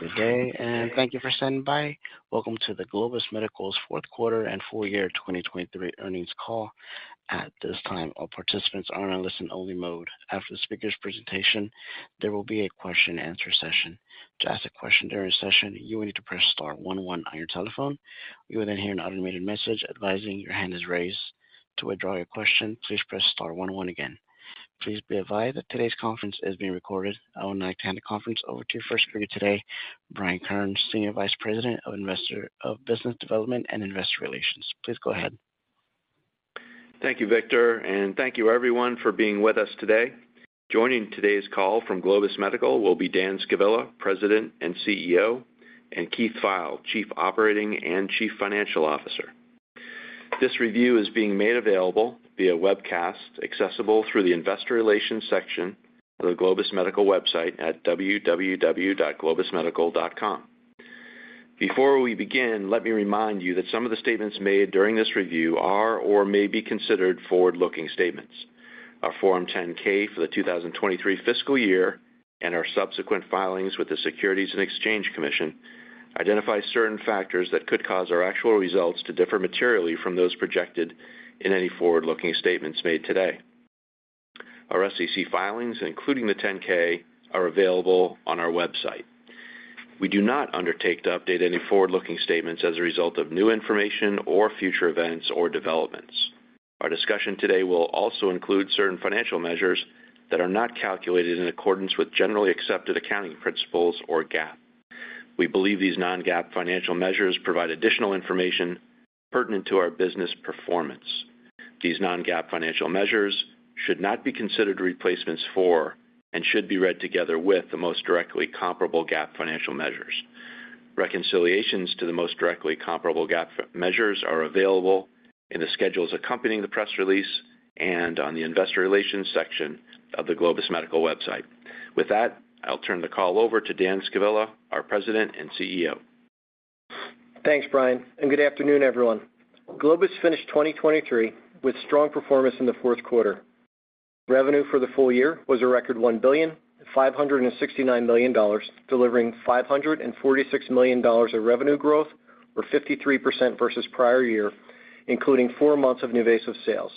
Good day, and thank you for standing by. Welcome to the Globus Medical's fourth quarter and full year 2023 earnings call. At this time, all participants are on a listen-only mode. After the speaker's presentation, there will be a question-and-answer session. To ask a question during the session, you will need to press star one one on your telephone. You will then hear an automated message advising your hand is raised. To withdraw your question, please press star one one again. Please be advised that today's conference is being recorded. I would like to hand the conference over to your first speaker today, Brian Kearns, Senior Vice President of Investor- of Business Development and Investor Relations. Please go ahead. Thank you, Victor, and thank you everyone for being with us today. Joining today's call from Globus Medical will be Dan Scavilla, President and CEO, and Keith Pfeil, Chief Operating and Chief Financial Officer. This review is being made available via webcast, accessible through the investor relations section of the Globus Medical website at www.globusmedical.com. Before we begin, let me remind you that some of the statements made during this review are or may be considered forward-looking statements. Our Form 10-K for the 2023 fiscal year and our subsequent filings with the Securities and Exchange Commission identify certain factors that could cause our actual results to differ materially from those projected in any forward-looking statements made today. Our SEC filings, including the 10-K, are available on our website. We do not undertake to update any forward-looking statements as a result of new information or future events or developments. Our discussion today will also include certain financial measures that are not calculated in accordance with generally accepted accounting principles, or GAAP. We believe these non-GAAP financial measures provide additional information pertinent to our business performance. These non-GAAP financial measures should not be considered replacements for, and should be read together with, the most directly comparable GAAP financial measures. Reconciliations to the most directly comparable GAAP measures are available in the schedules accompanying the press release and on the investor relations section of the Globus Medical website. With that, I'll turn the call over to Dan Scavilla, our President and CEO. Thanks, Brian, and good afternoon, everyone. Globus finished 2023 with strong performance in the fourth quarter. Revenue for the full year was a record $1,569 million, delivering $546 million of revenue growth, or 53% versus prior year, including four months of NuVasive sales.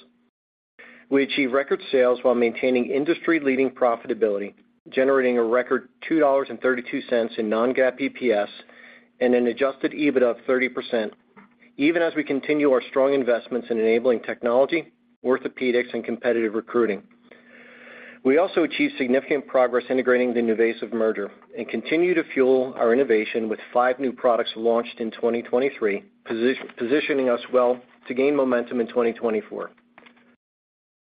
We achieved record sales while maintaining industry-leading profitability, generating a record $2.32 in non-GAAP EPS and an adjusted EBITDA of 30%, even as we continue our strong investments in enabling technology, orthopedics, and competitive recruiting. We also achieved significant progress integrating the NuVasive merger and continue to fuel our innovation with five new products launched in 2023, positioning us well to gain momentum in 2024.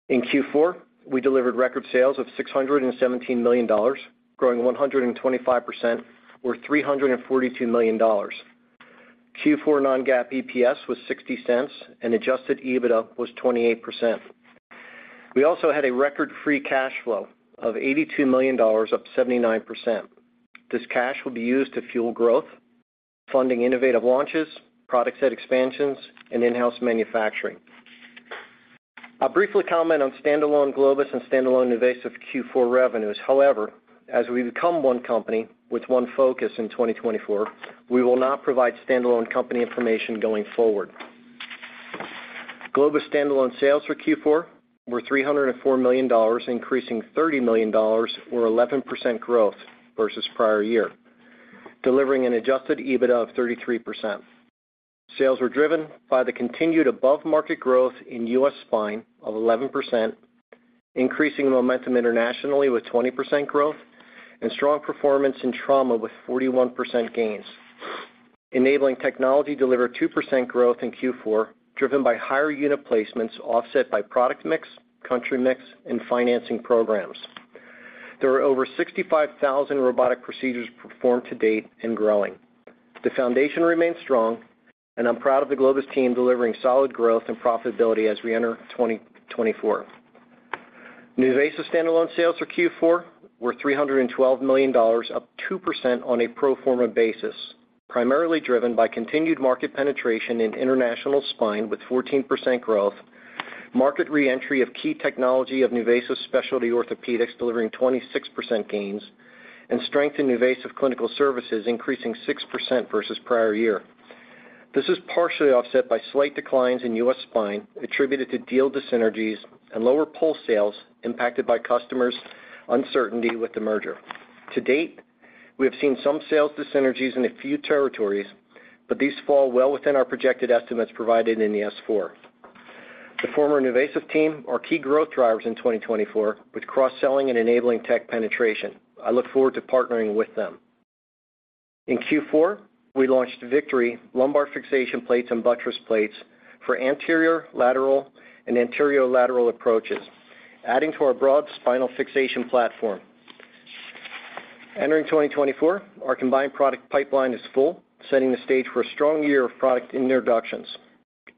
In Q4, we delivered record sales of $617 million, growing 125%, or $342 million. Q4 non-GAAP EPS was $0.60, and adjusted EBITDA was 28%. We also had a record free cash flow of $82 million, up 79%. This cash will be used to fuel growth, funding innovative launches, product set expansions, and in-house manufacturing. I'll briefly comment on standalone Globus and standalone NuVasive Q4 revenues. However, as we become one company with one focus in 2024, we will not provide standalone company information going forward. Globus standalone sales for Q4 were $304 million, increasing $30 million or 11% growth versus prior year, delivering an adjusted EBITDA of 33%. Sales were driven by the continued above-market growth in U.S. spine of 11%, increasing momentum internationally with 20% growth and strong performance in trauma with 41% gains. Enabling technology delivered 2% growth in Q4, driven by higher unit placements offset by product mix, country mix, and financing programs. There were over 65,000 robotic procedures performed to date and growing. The foundation remains strong, and I'm proud of the Globus team delivering solid growth and profitability as we enter 2024. NuVasive standalone sales for Q4 were $312 million, up 2% on a pro forma basis, primarily driven by continued market penetration in international spine with 14% growth, market re-entry of key technology of NuVasive Specialized Orthopedics, delivering 26% gains, and strength in NuVasive Clinical Services, increasing 6% versus prior year. This is partially offset by slight declines in U.S. spine, attributed to deal dyssynergies and lower Pulse sales impacted by customers' uncertainty with the merger. To date, we have seen some sales dyssynergies in a few territories, but these fall well within our projected estimates provided in the S-4. The former NuVasive team are key growth drivers in 2024, with cross-selling and enabling tech penetration. I look forward to partnering with them. In Q4, we launched Victory lumbar fixation plates and buttress plates for anterior, lateral, and anterior lateral approaches, adding to our broad spinal fixation platform. Entering 2024, our combined product pipeline is full, setting the stage for a strong year of product introductions.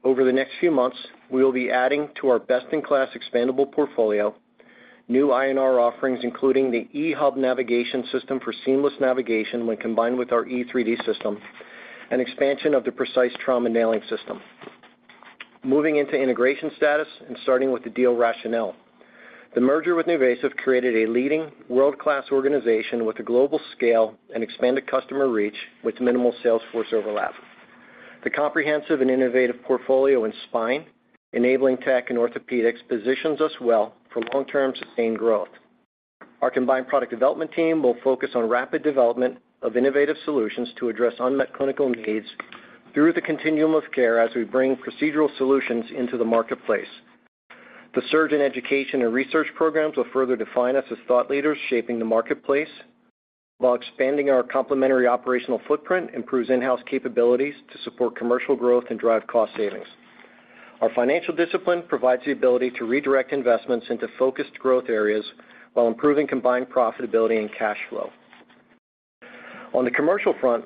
Over the next few months, we will be adding to our best-in-class expandable portfolio, new INR offerings, including the EHub navigation system for seamless navigation when combined with our E3D system, and expansion of the Precise trauma nailing system, moving into integration status and starting with the deal rationale. The merger with NuVasive created a leading world-class organization with a global scale and expanded customer reach, with minimal sales force overlap. The comprehensive and innovative portfolio in spine, enabling tech and orthopedics, positions us well for long-term sustained growth. Our combined product development team will focus on rapid development of innovative solutions to address unmet clinical needs through the continuum of care as we bring procedural solutions into the marketplace. The surgeon education and research programs will further define us as thought leaders, shaping the marketplace, while expanding our complementary operational footprint, improves in-house capabilities to support commercial growth and drive cost savings. Our financial discipline provides the ability to redirect investments into focused growth areas while improving combined profitability and cash flow. On the commercial front,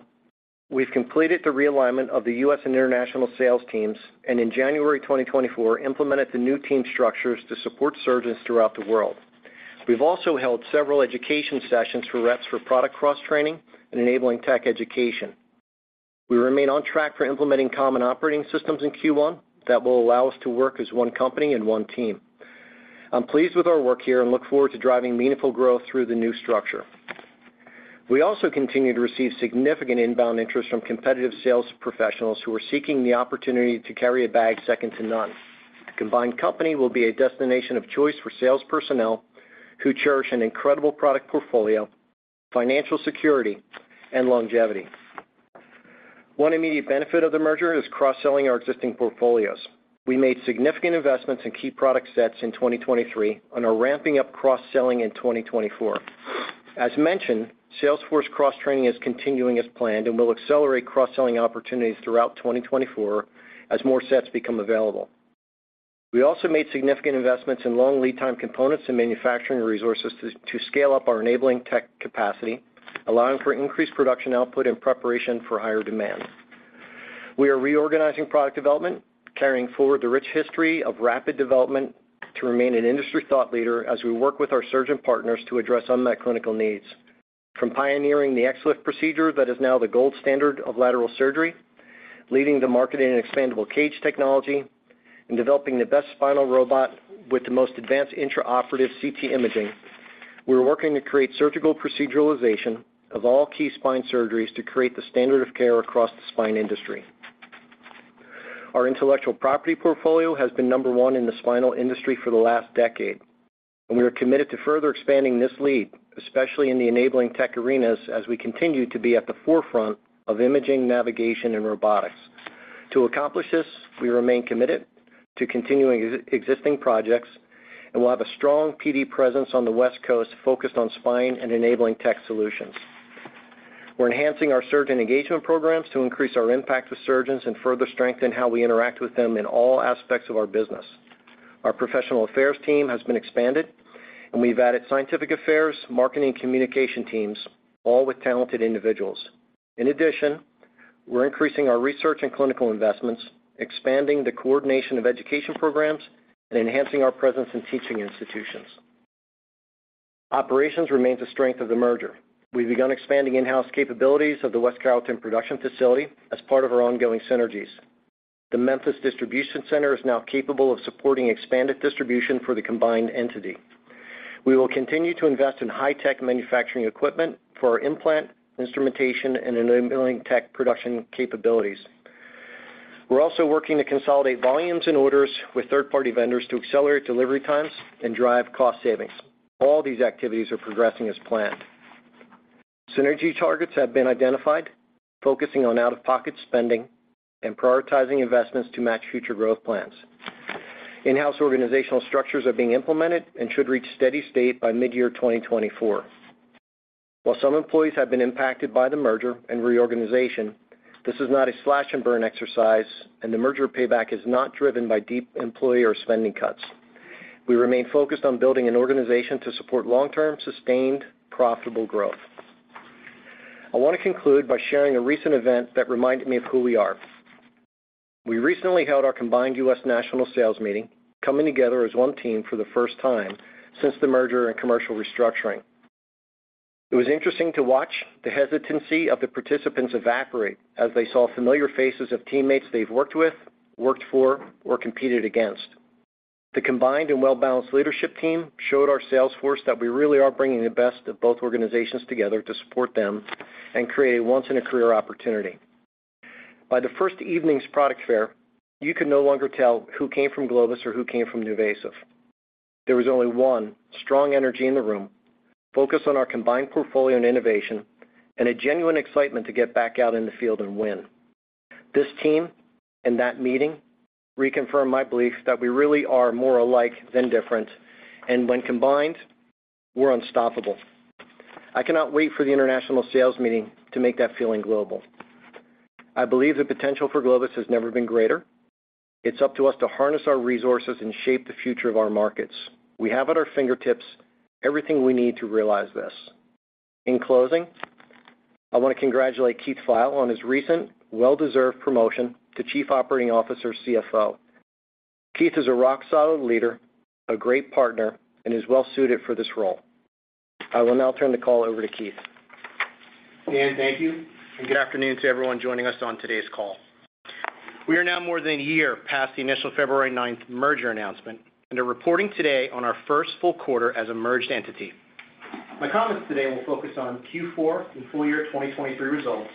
we've completed the realignment of the U.S. and international sales teams, and in January 2024, implemented the new team structures to support surgeons throughout the world. We've also held several education sessions for reps for product cross-training and enabling tech education. We remain on track for implementing common operating systems in Q1 that will allow us to work as one company and one team. I'm pleased with our work here and look forward to driving meaningful growth through the new structure. We also continue to receive significant inbound interest from competitive sales professionals who are seeking the opportunity to carry a bag second to none. The combined company will be a destination of choice for sales personnel who cherish an incredible product portfolio, financial security, and longevity. One immediate benefit of the merger is cross-selling our existing portfolios. We made significant investments in key product sets in 2023 and are ramping up cross-selling in 2024. As mentioned, sales force cross-training is continuing as planned, and we'll accelerate cross-selling opportunities throughout 2024 as more sets become available. We also made significant investments in long lead time components and manufacturing resources to scale up our enabling tech capacity, allowing for increased production output in preparation for higher demand. We are reorganizing product development, carrying forward the rich history of rapid development to remain an industry thought leader as we work with our surgeon partners to address unmet clinical needs. From pioneering the XLIF procedure that is now the gold standard of lateral surgery, leading the market in expandable cage technology, and developing the best spinal robot with the most advanced intraoperative CT imaging, we're working to create surgical proceduralization of all key spine surgeries to create the standard of care across the spine industry. Our intellectual property portfolio has been number one in the spinal industry for the last decade, and we are committed to further expanding this lead, especially in the enabling tech arenas, as we continue to be at the forefront of imaging, navigation, and robotics. To accomplish this, we remain committed to continuing existing projects, and we'll have a strong PD presence on the West Coast focused on spine and enabling tech solutions. We're enhancing our surgeon engagement programs to increase our impact with surgeons and further strengthen how we interact with them in all aspects of our business. Our professional affairs team has been expanded, and we've added scientific affairs, marketing, and communication teams, all with talented individuals. In addition, we're increasing our research and clinical investments, expanding the coordination of education programs, and enhancing our presence in teaching institutions. Operations remains a strength of the merger. We've begun expanding in-house capabilities of the West Carrollton production facility as part of our ongoing synergies. The Memphis Distribution Center is now capable of supporting expanded distribution for the combined entity. We will continue to invest in high-tech manufacturing equipment for our implant, instrumentation, and enabling tech production capabilities. We're also working to consolidate volumes and orders with third-party vendors to accelerate delivery times and drive cost savings. All these activities are progressing as planned. Synergy targets have been identified, focusing on out-of-pocket spending and prioritizing investments to match future growth plans. In-house organizational structures are being implemented and should reach steady state by mid-year 2024. While some employees have been impacted by the merger and reorganization, this is not a slash-and-burn exercise, and the merger payback is not driven by deep employee or spending cuts. We remain focused on building an organization to support long-term, sustained, profitable growth. I want to conclude by sharing a recent event that reminded me of who we are. We recently held our combined U.S. national sales meeting, coming together as one team for the first time since the merger and commercial restructuring. It was interesting to watch the hesitancy of the participants evaporate as they saw familiar faces of teammates they've worked with, worked for, or competed against. The combined and well-balanced leadership team showed our sales force that we really are bringing the best of both organizations together to support them and create a once-in-a-career opportunity. By the first evening's product fair, you could no longer tell who came from Globus or who came from NuVasive. There was only one strong energy in the room, focused on our combined portfolio and innovation, and a genuine excitement to get back out in the field and win. This team and that meeting reconfirmed my belief that we really are more alike than different, and when combined, we're unstoppable. I cannot wait for the international sales meeting to make that feeling global. I believe the potential for Globus has never been greater. It's up to us to harness our resources and shape the future of our markets. We have at our fingertips everything we need to realize this. In closing, I want to congratulate Keith Pfeil on his recent well-deserved promotion to Chief Operating Officer, CFO. Keith is a rock-solid leader, a great partner, and is well suited for this role. I will now turn the call over to Keith. Dan, thank you, and good afternoon to everyone joining us on today's call. We are now more than a year past the initial February 9 merger announcement, and are reporting today on our first full quarter as a merged entity. My comments today will focus on Q4 and full year 2023 results,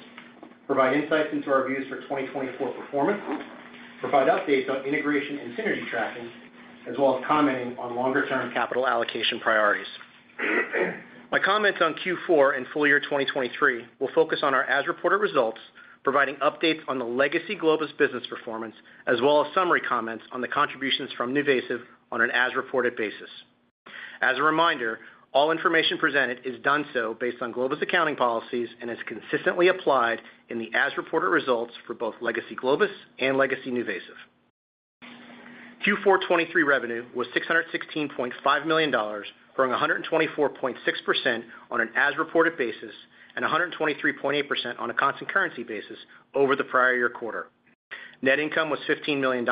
provide insights into our views for 2024 performance, provide updates on integration and synergy tracking, as well as commenting on longer-term capital allocation priorities. My comments on Q4 and full year 2023 will focus on our as-reported results, providing updates on the legacy Globus business performance, as well as summary comments on the contributions from NuVasive on an as-reported basis. As a reminder, all information presented is done so based on Globus accounting policies and is consistently applied in the as-reported results for both legacy Globus and legacy NuVasive. Q4 2023 revenue was $616.5 million, growing 124.6% on an as-reported basis, and 123.8% on a constant currency basis over the prior year quarter. Net income was $15 million,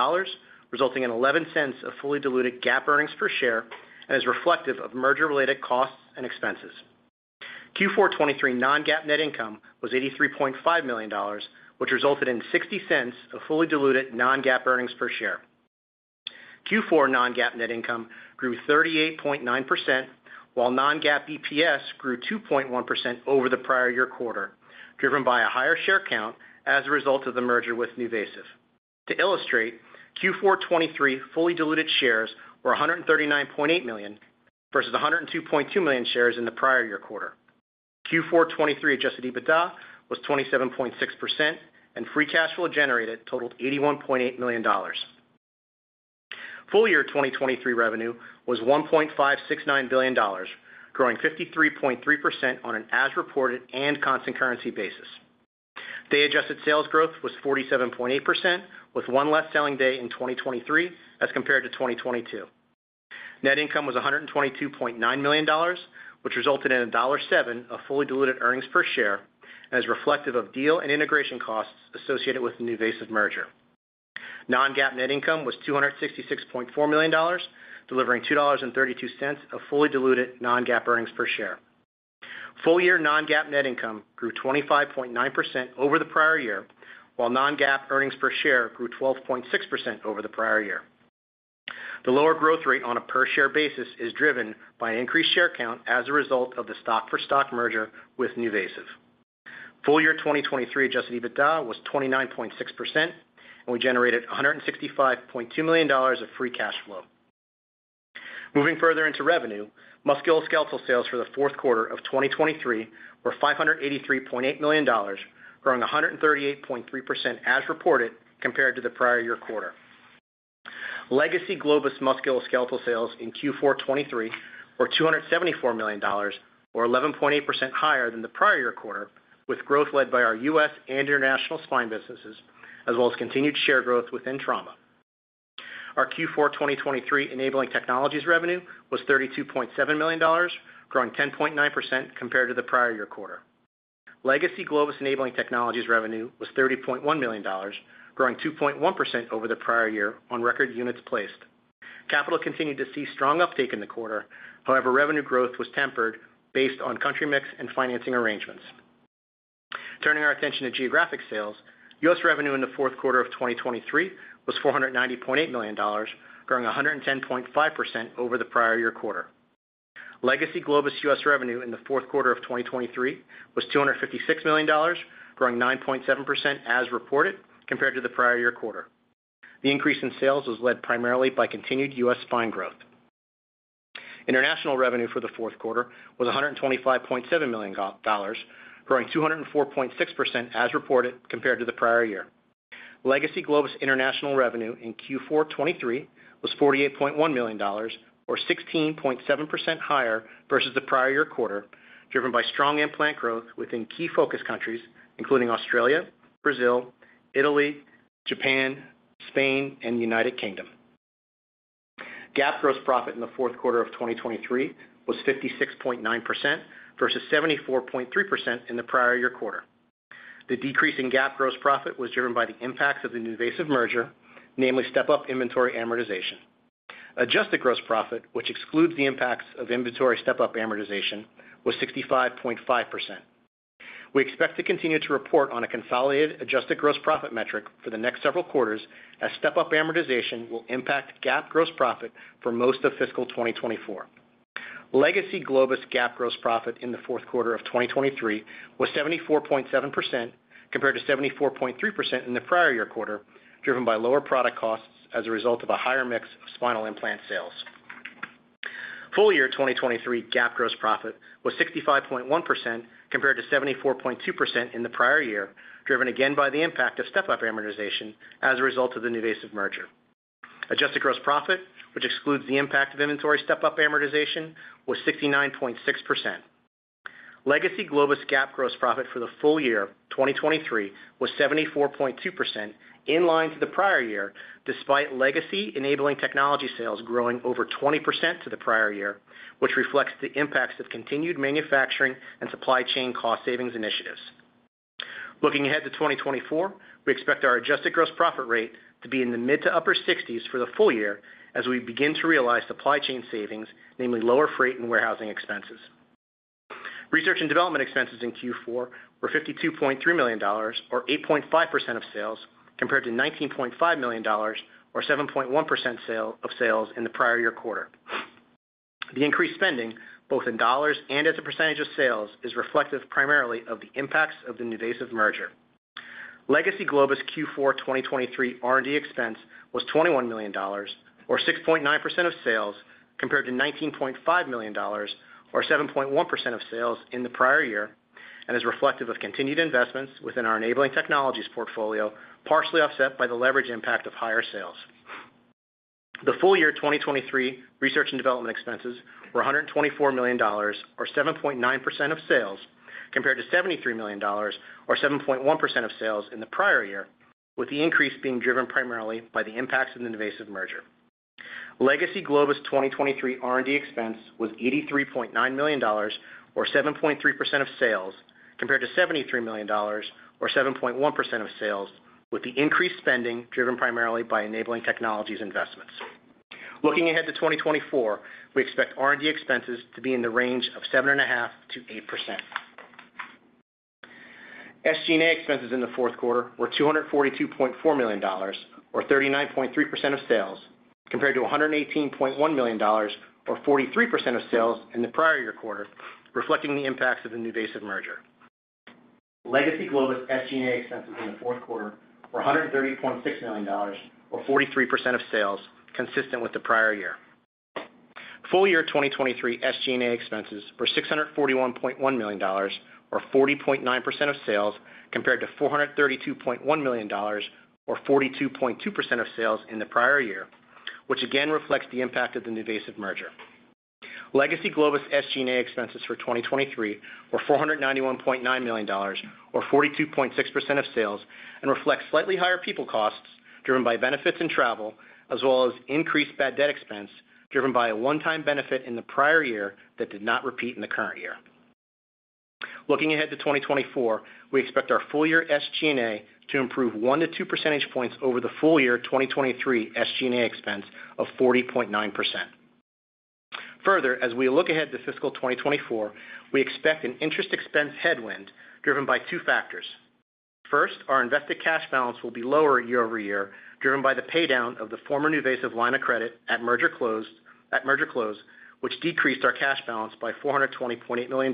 resulting in 11 cents of fully diluted GAAP earnings per share and is reflective of merger-related costs and expenses. Q4 2023 non-GAAP net income was $83.5 million, which resulted in 60 cents of fully diluted non-GAAP earnings per share. Q4 non-GAAP net income grew 38.9%, while non-GAAP EPS grew 2.1% over the prior year quarter, driven by a higher share count as a result of the merger with NuVasive. To illustrate, Q4 2023 fully diluted shares were 139.8 million versus 102.2 million shares in the prior year quarter. Q4 2023 adjusted EBITDA was 27.6%, and free cash flow generated totaled $81.8 million. Full year 2023 revenue was $1.569 billion, growing 53.3% on an as-reported and constant currency basis. Day-adjusted sales growth was 47.8%, with one less selling day in 2023 as compared to 2022. Net income was $122.9 million, which resulted in $0.07 of fully diluted earnings per share, and is reflective of deal and integration costs associated with the NuVasive merger. Non-GAAP net income was $266.4 million, delivering $2.32 of fully diluted non-GAAP earnings per share. Full-year non-GAAP net income grew 25.9% over the prior year, while non-GAAP earnings per share grew 12.6% over the prior year. The lower growth rate on a per-share basis is driven by increased share count as a result of the stock-for-stock merger with NuVasive. Full-year 2023 Adjusted EBITDA was 29.6%, and we generated $165.2 million of free cash flow. Moving further into revenue, musculoskeletal sales for the fourth quarter of 2023 were $583.8 million, growing 138.3% as reported compared to the prior year quarter. Legacy Globus musculoskeletal sales in Q4 2023 were $274 million, or 11.8% higher than the prior year quarter, with growth led by our US and international spine businesses, as well as continued share growth within trauma. Our Q4 2023 enabling technologies revenue was $32.7 million, growing 10.9% compared to the prior year quarter. Legacy Globus enabling technologies revenue was $30.1 million, growing 2.1% over the prior year on record units placed. Capital continued to see strong uptake in the quarter. However, revenue growth was tempered based on country mix and financing arrangements. Turning our attention to geographic sales, US revenue in the fourth quarter of 2023 was $490.8 million, growing 110.5% over the prior year quarter. Legacy Globus U.S. revenue in the fourth quarter of 2023 was $256 million, growing 9.7% as reported compared to the prior year quarter. The increase in sales was led primarily by continued U.S. spine growth. International revenue for the fourth quarter was $125.7 million, growing 204.6% as reported, compared to the prior year. Legacy Globus international revenue in Q4 2023 was $48.1 million or 16.7% higher versus the prior year quarter, driven by strong implant growth within key focus countries including Australia, Brazil, Italy, Japan, Spain, and the United Kingdom. GAAP gross profit in the fourth quarter of 2023 was 56.9% versus 74.3% in the prior year quarter. The decrease in GAAP gross profit was driven by the impacts of the NuVasive merger, namely step-up inventory amortization. Adjusted gross profit, which excludes the impacts of inventory step-up amortization, was 65.5%. We expect to continue to report on a consolidated adjusted gross profit metric for the next several quarters, as step-up amortization will impact GAAP gross profit for most of fiscal 2024. Legacy Globus GAAP gross profit in the fourth quarter of 2023 was 74.7%, compared to 74.3% in the prior year quarter, driven by lower product costs as a result of a higher mix of spinal implant sales. Full year 2023 GAAP gross profit was 65.1%, compared to 74.2% in the prior year, driven again by the impact of step-up amortization as a result of the NuVasive merger. Adjusted gross profit, which excludes the impact of inventory step-up amortization, was 69.6%. Legacy Globus GAAP gross profit for the full year of 2023 was 74.2%, in line to the prior year, despite legacy enabling technology sales growing over 20% to the prior year, which reflects the impacts of continued manufacturing and supply chain cost savings initiatives. Looking ahead to 2024, we expect our adjusted gross profit rate to be in the mid- to upper-60s for the full year as we begin to realize supply chain savings, namely lower freight and warehousing expenses. Research and development expenses in Q4 were $52.3 million, or 8.5% of sales, compared to $19.5 million, or 7.1% of sales in the prior year quarter. The increased spending, both in dollars and as a percentage of sales, is reflective primarily of the impacts of the NuVasive merger. Legacy Globus Q4 2023 R&D expense was $21 million, or 6.9% of sales, compared to $19.5 million, or 7.1% of sales in the prior year, and is reflective of continued investments within our enabling technologies portfolio, partially offset by the leverage impact of higher sales. The full year 2023 research and development expenses were $124 million, or 7.9% of sales, compared to $73 million, or 7.1% of sales in the prior year, with the increase being driven primarily by the impacts of the NuVasive merger. Legacy Globus's 2023 R&D expense was $83.9 million, or 7.3% of sales, compared to $73 million, or 7.1% of sales, with the increased spending driven primarily by enabling technologies investments. Looking ahead to 2024, we expect R&D expenses to be in the range of 7.5%-8%. SG&A expenses in the fourth quarter were $242.4 million, or 39.3% of sales, compared to $118.1 million, or 43% of sales in the prior year quarter, reflecting the impacts of the NuVasive merger. Legacy Globus SG&A expenses in the fourth quarter were $130.6 million, or 43% of sales, consistent with the prior year. Full year 2023 SG&A expenses were $641.1 million, or 40.9% of sales, compared to $432.1 million, or 42.2% of sales in the prior year, which again reflects the impact of the NuVasive merger. Legacy Globus SG&A expenses for 2023 were $491.9 million, or 42.6% of sales, and reflects slightly higher people costs driven by benefits and travel, as well as increased bad debt expense, driven by a one-time benefit in the prior year that did not repeat in the current year. Looking ahead to 2024, we expect our full year SG&A to improve one to two percentage points over the full year 2023 SG&A expense of 40.9%. Further, as we look ahead to fiscal 2024, we expect an interest expense headwind driven by two factors. First, our invested cash balance will be lower year-over-year, driven by the paydown of the former NuVasive line of credit at merger close, which decreased our cash balance by $420.8 million,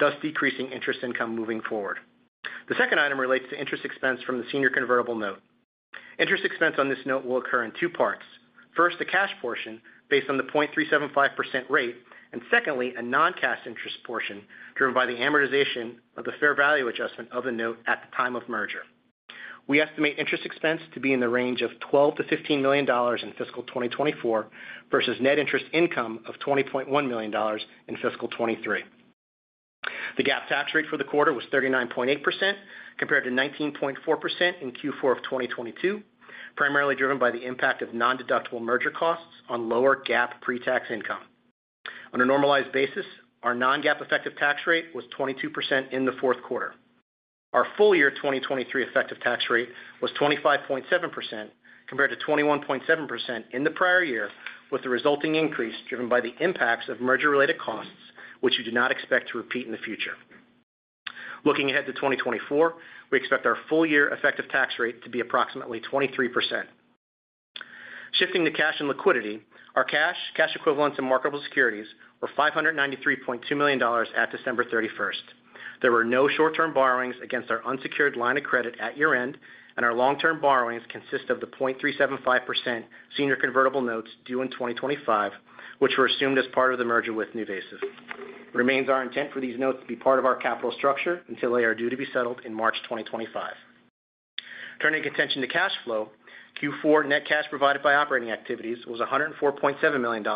thus decreasing interest income moving forward. The second item relates to interest expense from the Senior Convertible Note. Interest expense on this note will occur in two parts. First, the cash portion, based on the 0.375% rate, and secondly, a non-cash interest portion, driven by the amortization of the fair value adjustment of the note at the time of merger. We estimate interest expense to be in the range of $12 million-$15 million in fiscal 2024 versus net interest income of $20.1 million in fiscal 2023. The GAAP tax rate for the quarter was 39.8%, compared to 19.4% in Q4 of 2022, primarily driven by the impact of nondeductible merger costs on lower GAAP pre-tax income. On a normalized basis, our non-GAAP effective tax rate was 22% in the fourth quarter. Our full year 2023 effective tax rate was 25.7%, compared to 21.7% in the prior year, with the resulting increase driven by the impacts of merger-related costs, which we do not expect to repeat in the future. Looking ahead to 2024, we expect our full year effective tax rate to be approximately 23%. Shifting to cash and liquidity, our cash, cash equivalents and marketable securities were $593.2 million at December 31. There were no short-term borrowings against our unsecured line of credit at year-end, and our long-term borrowings consist of the 0.375% senior convertible notes due in 2025, which were assumed as part of the merger with NuVasive. Remains our intent for these notes to be part of our capital structure until they are due to be settled in March 2025. Turning attention to cash flow. Q4 net cash provided by operating activities was $104.7 million,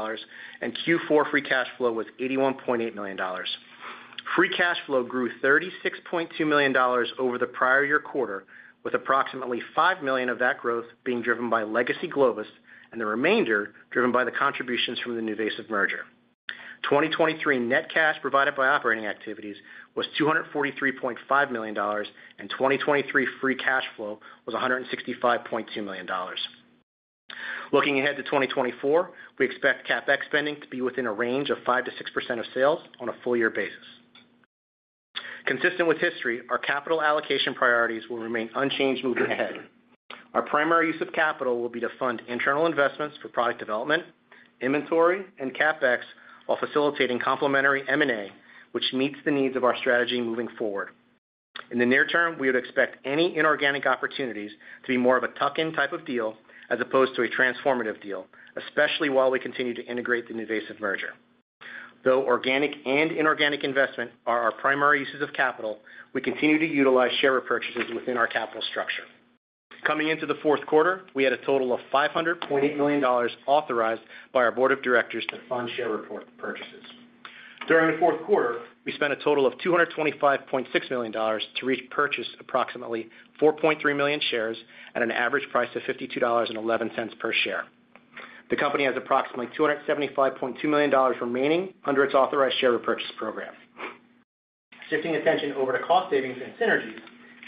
and Q4 free cash flow was $81.8 million. Free cash flow grew $36.2 million over the prior year quarter, with approximately $5 million of that growth being driven by legacy Globus and the remainder driven by the contributions from the NuVasive merger. 2023 net cash provided by operating activities was $243.5 million, and 2023 free cash flow was $165.2 million. Looking ahead to 2024, we expect CapEx spending to be within a range of 5%-6% of sales on a full year basis. Consistent with history, our capital allocation priorities will remain unchanged moving ahead. Our primary use of capital will be to fund internal investments for product development, inventory, and CapEx, while facilitating complementary M&A, which meets the needs of our strategy moving forward. In the near term, we would expect any inorganic opportunities to be more of a tuck-in type of deal, as opposed to a transformative deal, especially while we continue to integrate the NuVasive merger. Though organic and inorganic investment are our primary uses of capital, we continue to utilize share repurchases within our capital structure. Coming into the fourth quarter, we had a total of $540 million authorized by our board of directors to fund share repurchase. During the fourth quarter, we spent a total of $225.6 million to repurchase approximately 4.3 million shares at an average price of $52.11 per share. The company has approximately $275.2 million remaining under its authorized share repurchase program. Shifting attention over to cost savings and synergies,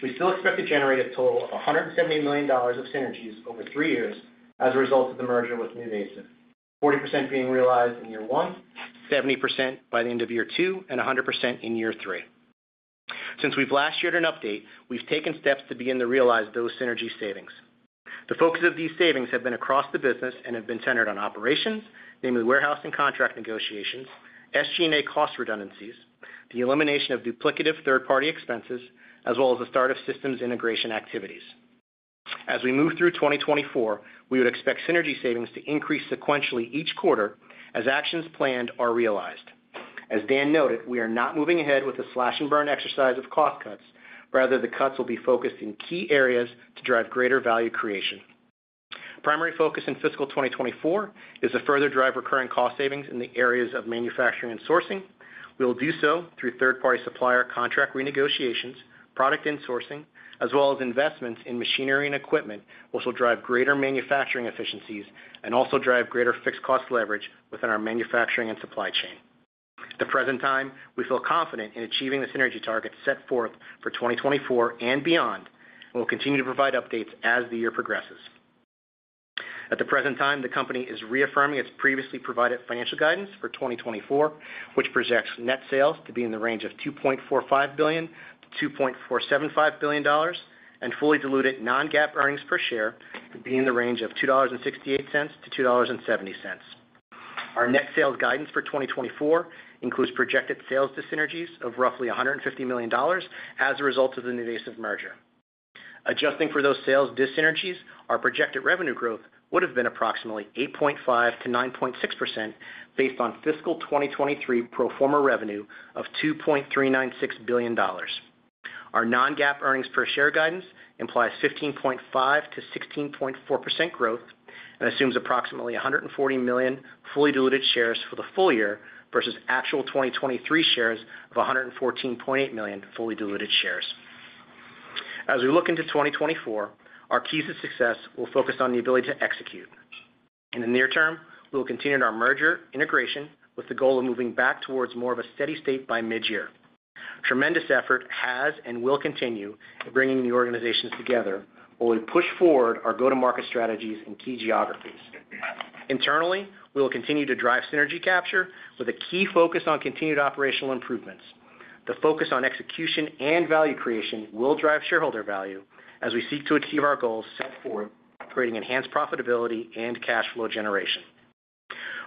we still expect to generate a total of $170 million of synergies over three years as a result of the merger with NuVasive. 40% being realized in year one, 70% by the end of year two, and 100% in year three. Since we've last shared an update, we've taken steps to begin to realize those synergy savings. The focus of these savings have been across the business and have been centered on operations, namely warehouse and contract negotiations, SG&A cost redundancies, the elimination of duplicative third-party expenses, as well as the start of systems integration activities. As we move through 2024, we would expect synergy savings to increase sequentially each quarter as actions planned are realized. As Dan noted, we are not moving ahead with a slash-and-burn exercise of cost cuts. Rather, the cuts will be focused in key areas to drive greater value creation. Primary focus in fiscal 2024 is to further drive recurring cost savings in the areas of manufacturing and sourcing. We will do so through third-party supplier contract renegotiations, product insourcing, as well as investments in machinery and equipment, which will drive greater manufacturing efficiencies and also drive greater fixed cost leverage within our manufacturing and supply chain. At the present time, we feel confident in achieving the synergy targets set forth for 2024 and beyond, and we'll continue to provide updates as the year progresses. At the present time, the company is reaffirming its previously provided financial guidance for 2024, which projects net sales to be in the range of $2.45 billion-$2.475 billion, and fully diluted non-GAAP earnings per share to be in the range of $2.68-$2.70. Our net sales guidance for 2024 includes projected sales dyssynergies of roughly $150 million as a result of the NuVasive merger. Adjusting for those sales dyssynergies, our projected revenue growth would have been approximately 8.5%-9.6% based on fiscal 2023 pro forma revenue of $2.396 billion. Our non-GAAP earnings per share guidance implies 15.5%-16.4% growth and assumes approximately 140 million fully diluted shares for the full year versus actual 2023 shares of 114.8 million fully diluted shares. As we look into 2024, our keys to success will focus on the ability to execute. In the near term, we will continue in our merger integration, with the goal of moving back towards more of a steady state by mid-year. Tremendous effort has and will continue in bringing the organizations together, while we push forward our go-to-market strategies in key geographies. Internally, we will continue to drive synergy capture with a key focus on continued operational improvements. The focus on execution and value creation will drive shareholder value as we seek to achieve our goals set forth, creating enhanced profitability and cash flow generation.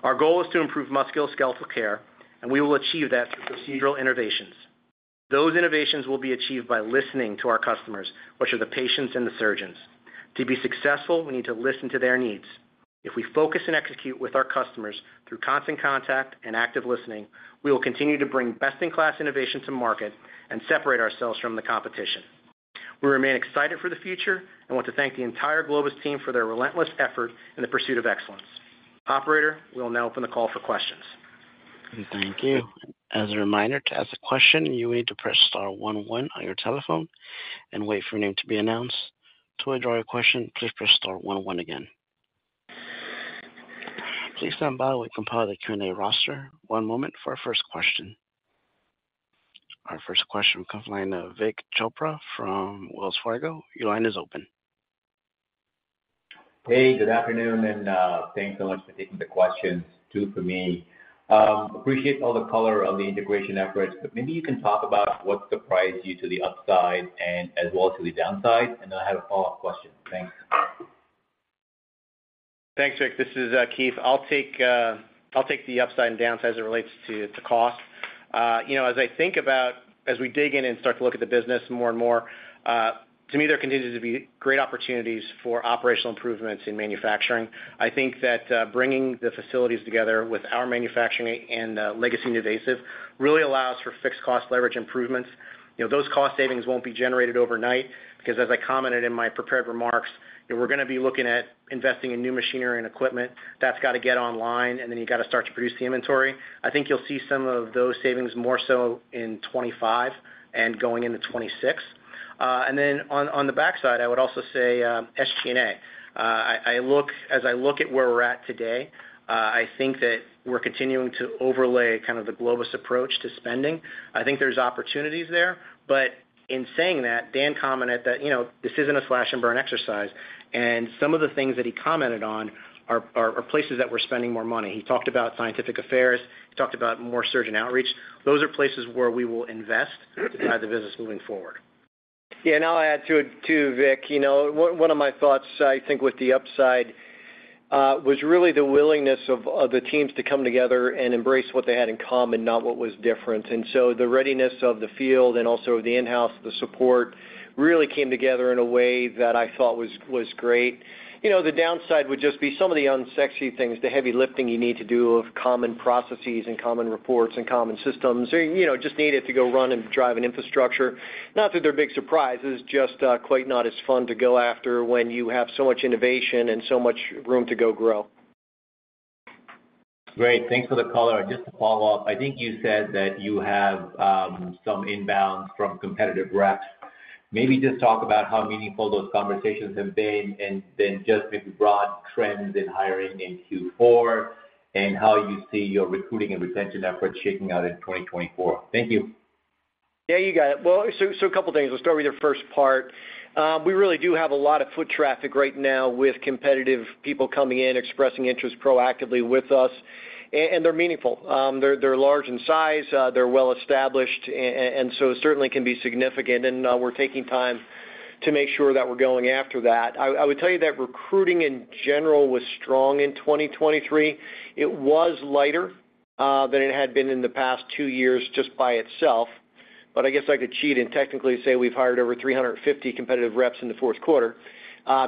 Our goal is to improve musculoskeletal care, and we will achieve that through procedural innovations. Those innovations will be achieved by listening to our customers, which are the patients and the surgeons. To be successful, we need to listen to their needs. If we focus and execute with our customers through constant contact and active listening, we will continue to bring best-in-class innovation to market and separate ourselves from the competition. We remain excited for the future and want to thank the entire Globus team for their relentless effort in the pursuit of excellence. Operator, we'll now open the call for questions. Thank you. As a reminder, to ask a question, you need to press star one one on your telephone and wait for your name to be announced. To withdraw your question, please press star one one again. Please stand by while we compile the Q&A roster. One moment for our first question. Our first question comes from the line of Vik Chopra from Wells Fargo. Your line is open. Hey, good afternoon, and thanks so much for taking the questions, two for me. Appreciate all the color on the integration efforts, but maybe you can talk about what surprised you to the upside and as well to the downside. And then I have a follow-up question. Thanks. Thanks, Vik. This is Keith. I'll take, I'll take the upside and downside as it relates to cost. You know, as I think about, as we dig in and start to look at the business more and more, to me, there continues to be great opportunities for operational improvements in manufacturing. I think that bringing the facilities together with our manufacturing and legacy NuVasive really allows for fixed cost leverage improvements. You know, those cost savings won't be generated overnight, because as I commented in my prepared remarks, you know, we're going to be looking at investing in new machinery and equipment. That's got to get online, and then you've got to start to produce the inventory. I think you'll see some of those savings more so in 2025 and going into 2026. And then on the backside, I would also say SG&A. I look—as I look at where we're at today, I think that we're continuing to overlay kind of the Globus approach to spending. I think there's opportunities there, but in saying that, Dan commented that, you know, this isn't a slash-and-burn exercise, and some of the things that he commented on are places that we're spending more money. He talked about scientific affairs. He talked about more surgeon outreach. Those are places where we will invest to drive the business moving forward. Yeah, and I'll add to it, too, Vik. You know, one of my thoughts, I think, with the upside was really the willingness of the teams to come together and embrace what they had in common, not what was different. And so the readiness of the field and also the in-house, the support, really came together in a way that I thought was great. You know, the downside would just be some of the unsexy things, the heavy lifting you need to do of common processes and common reports and common systems. You know, just need it to go run and drive an infrastructure. Not that they're a big surprise, it's just quite not as fun to go after when you have so much innovation and so much room to go grow. Great, thanks for the color. Just to follow up, I think you said that you have some inbound from competitive reps. Maybe just talk about how meaningful those conversations have been, and then just maybe broad trends in hiring in Q4, and how you see your recruiting and retention efforts shaking out in 2024. Thank you. Yeah, you got it. Well, so a couple things. Let's start with your first part. We really do have a lot of foot traffic right now with competitive people coming in, expressing interest proactively with us, and they're meaningful. They're large in size, they're well established, and so certainly can be significant, and we're taking time to make sure that we're going after that. I would tell you that recruiting, in general, was strong in 2023. It was lighter than it had been in the past two years just by itself, but I guess I could cheat and technically say we've hired over 350 competitive reps in the fourth quarter.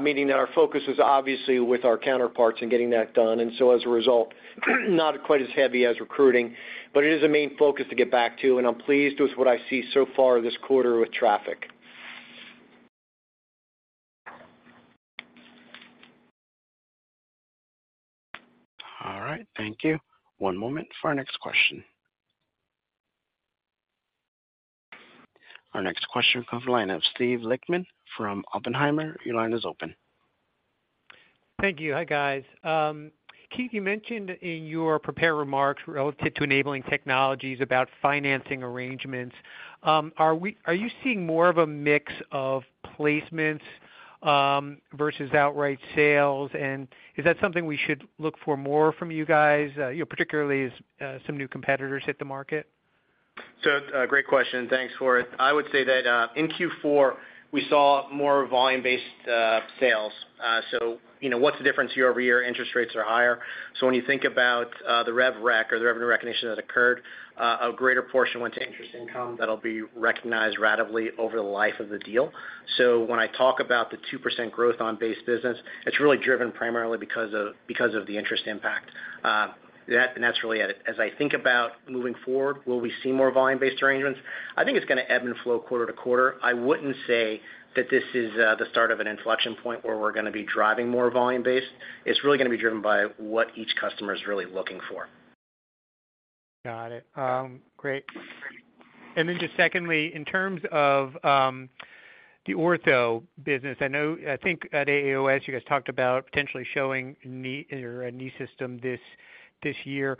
Meaning that our focus is obviously with our counterparts in getting that done, and so as a result, not quite as heavy as recruiting, but it is a main focus to get back to, and I'm pleased with what I see so far this quarter with traffic. All right, thank you. One moment for our next question. Our next question comes from the line of Steve Lichtman from Oppenheimer. Your line is open. Thank you. Hi, guys. Keith, you mentioned in your prepared remarks relative to enabling technologies about financing arrangements. Are you seeing more of a mix of placements versus outright sales? And is that something we should look for more from you guys, you know, particularly as some new competitors hit the market? So, great question, and thanks for it. I would say that, in Q4, we saw more volume-based sales. So, you know, what's the difference year-over-year? Interest rates are higher. So when you think about, the rev rec or the revenue recognition that occurred, a greater portion went to interest income that'll be recognized ratably over the life of the deal. So when I talk about the 2% growth on base business, it's really driven primarily because of, because of the interest impact. That and that's really it. As I think about moving forward, will we see more volume-based arrangements? I think it's gonna ebb and flow quarter-to-quarter. I wouldn't say that this is, the start of an inflection point where we're gonna be driving more volume-based. It's really gonna be driven by what each customer is really looking for. Got it. Great. And then just secondly, in terms of the ortho business, I know, I think at AAOS, you guys talked about potentially showing a knee or a knee system this year.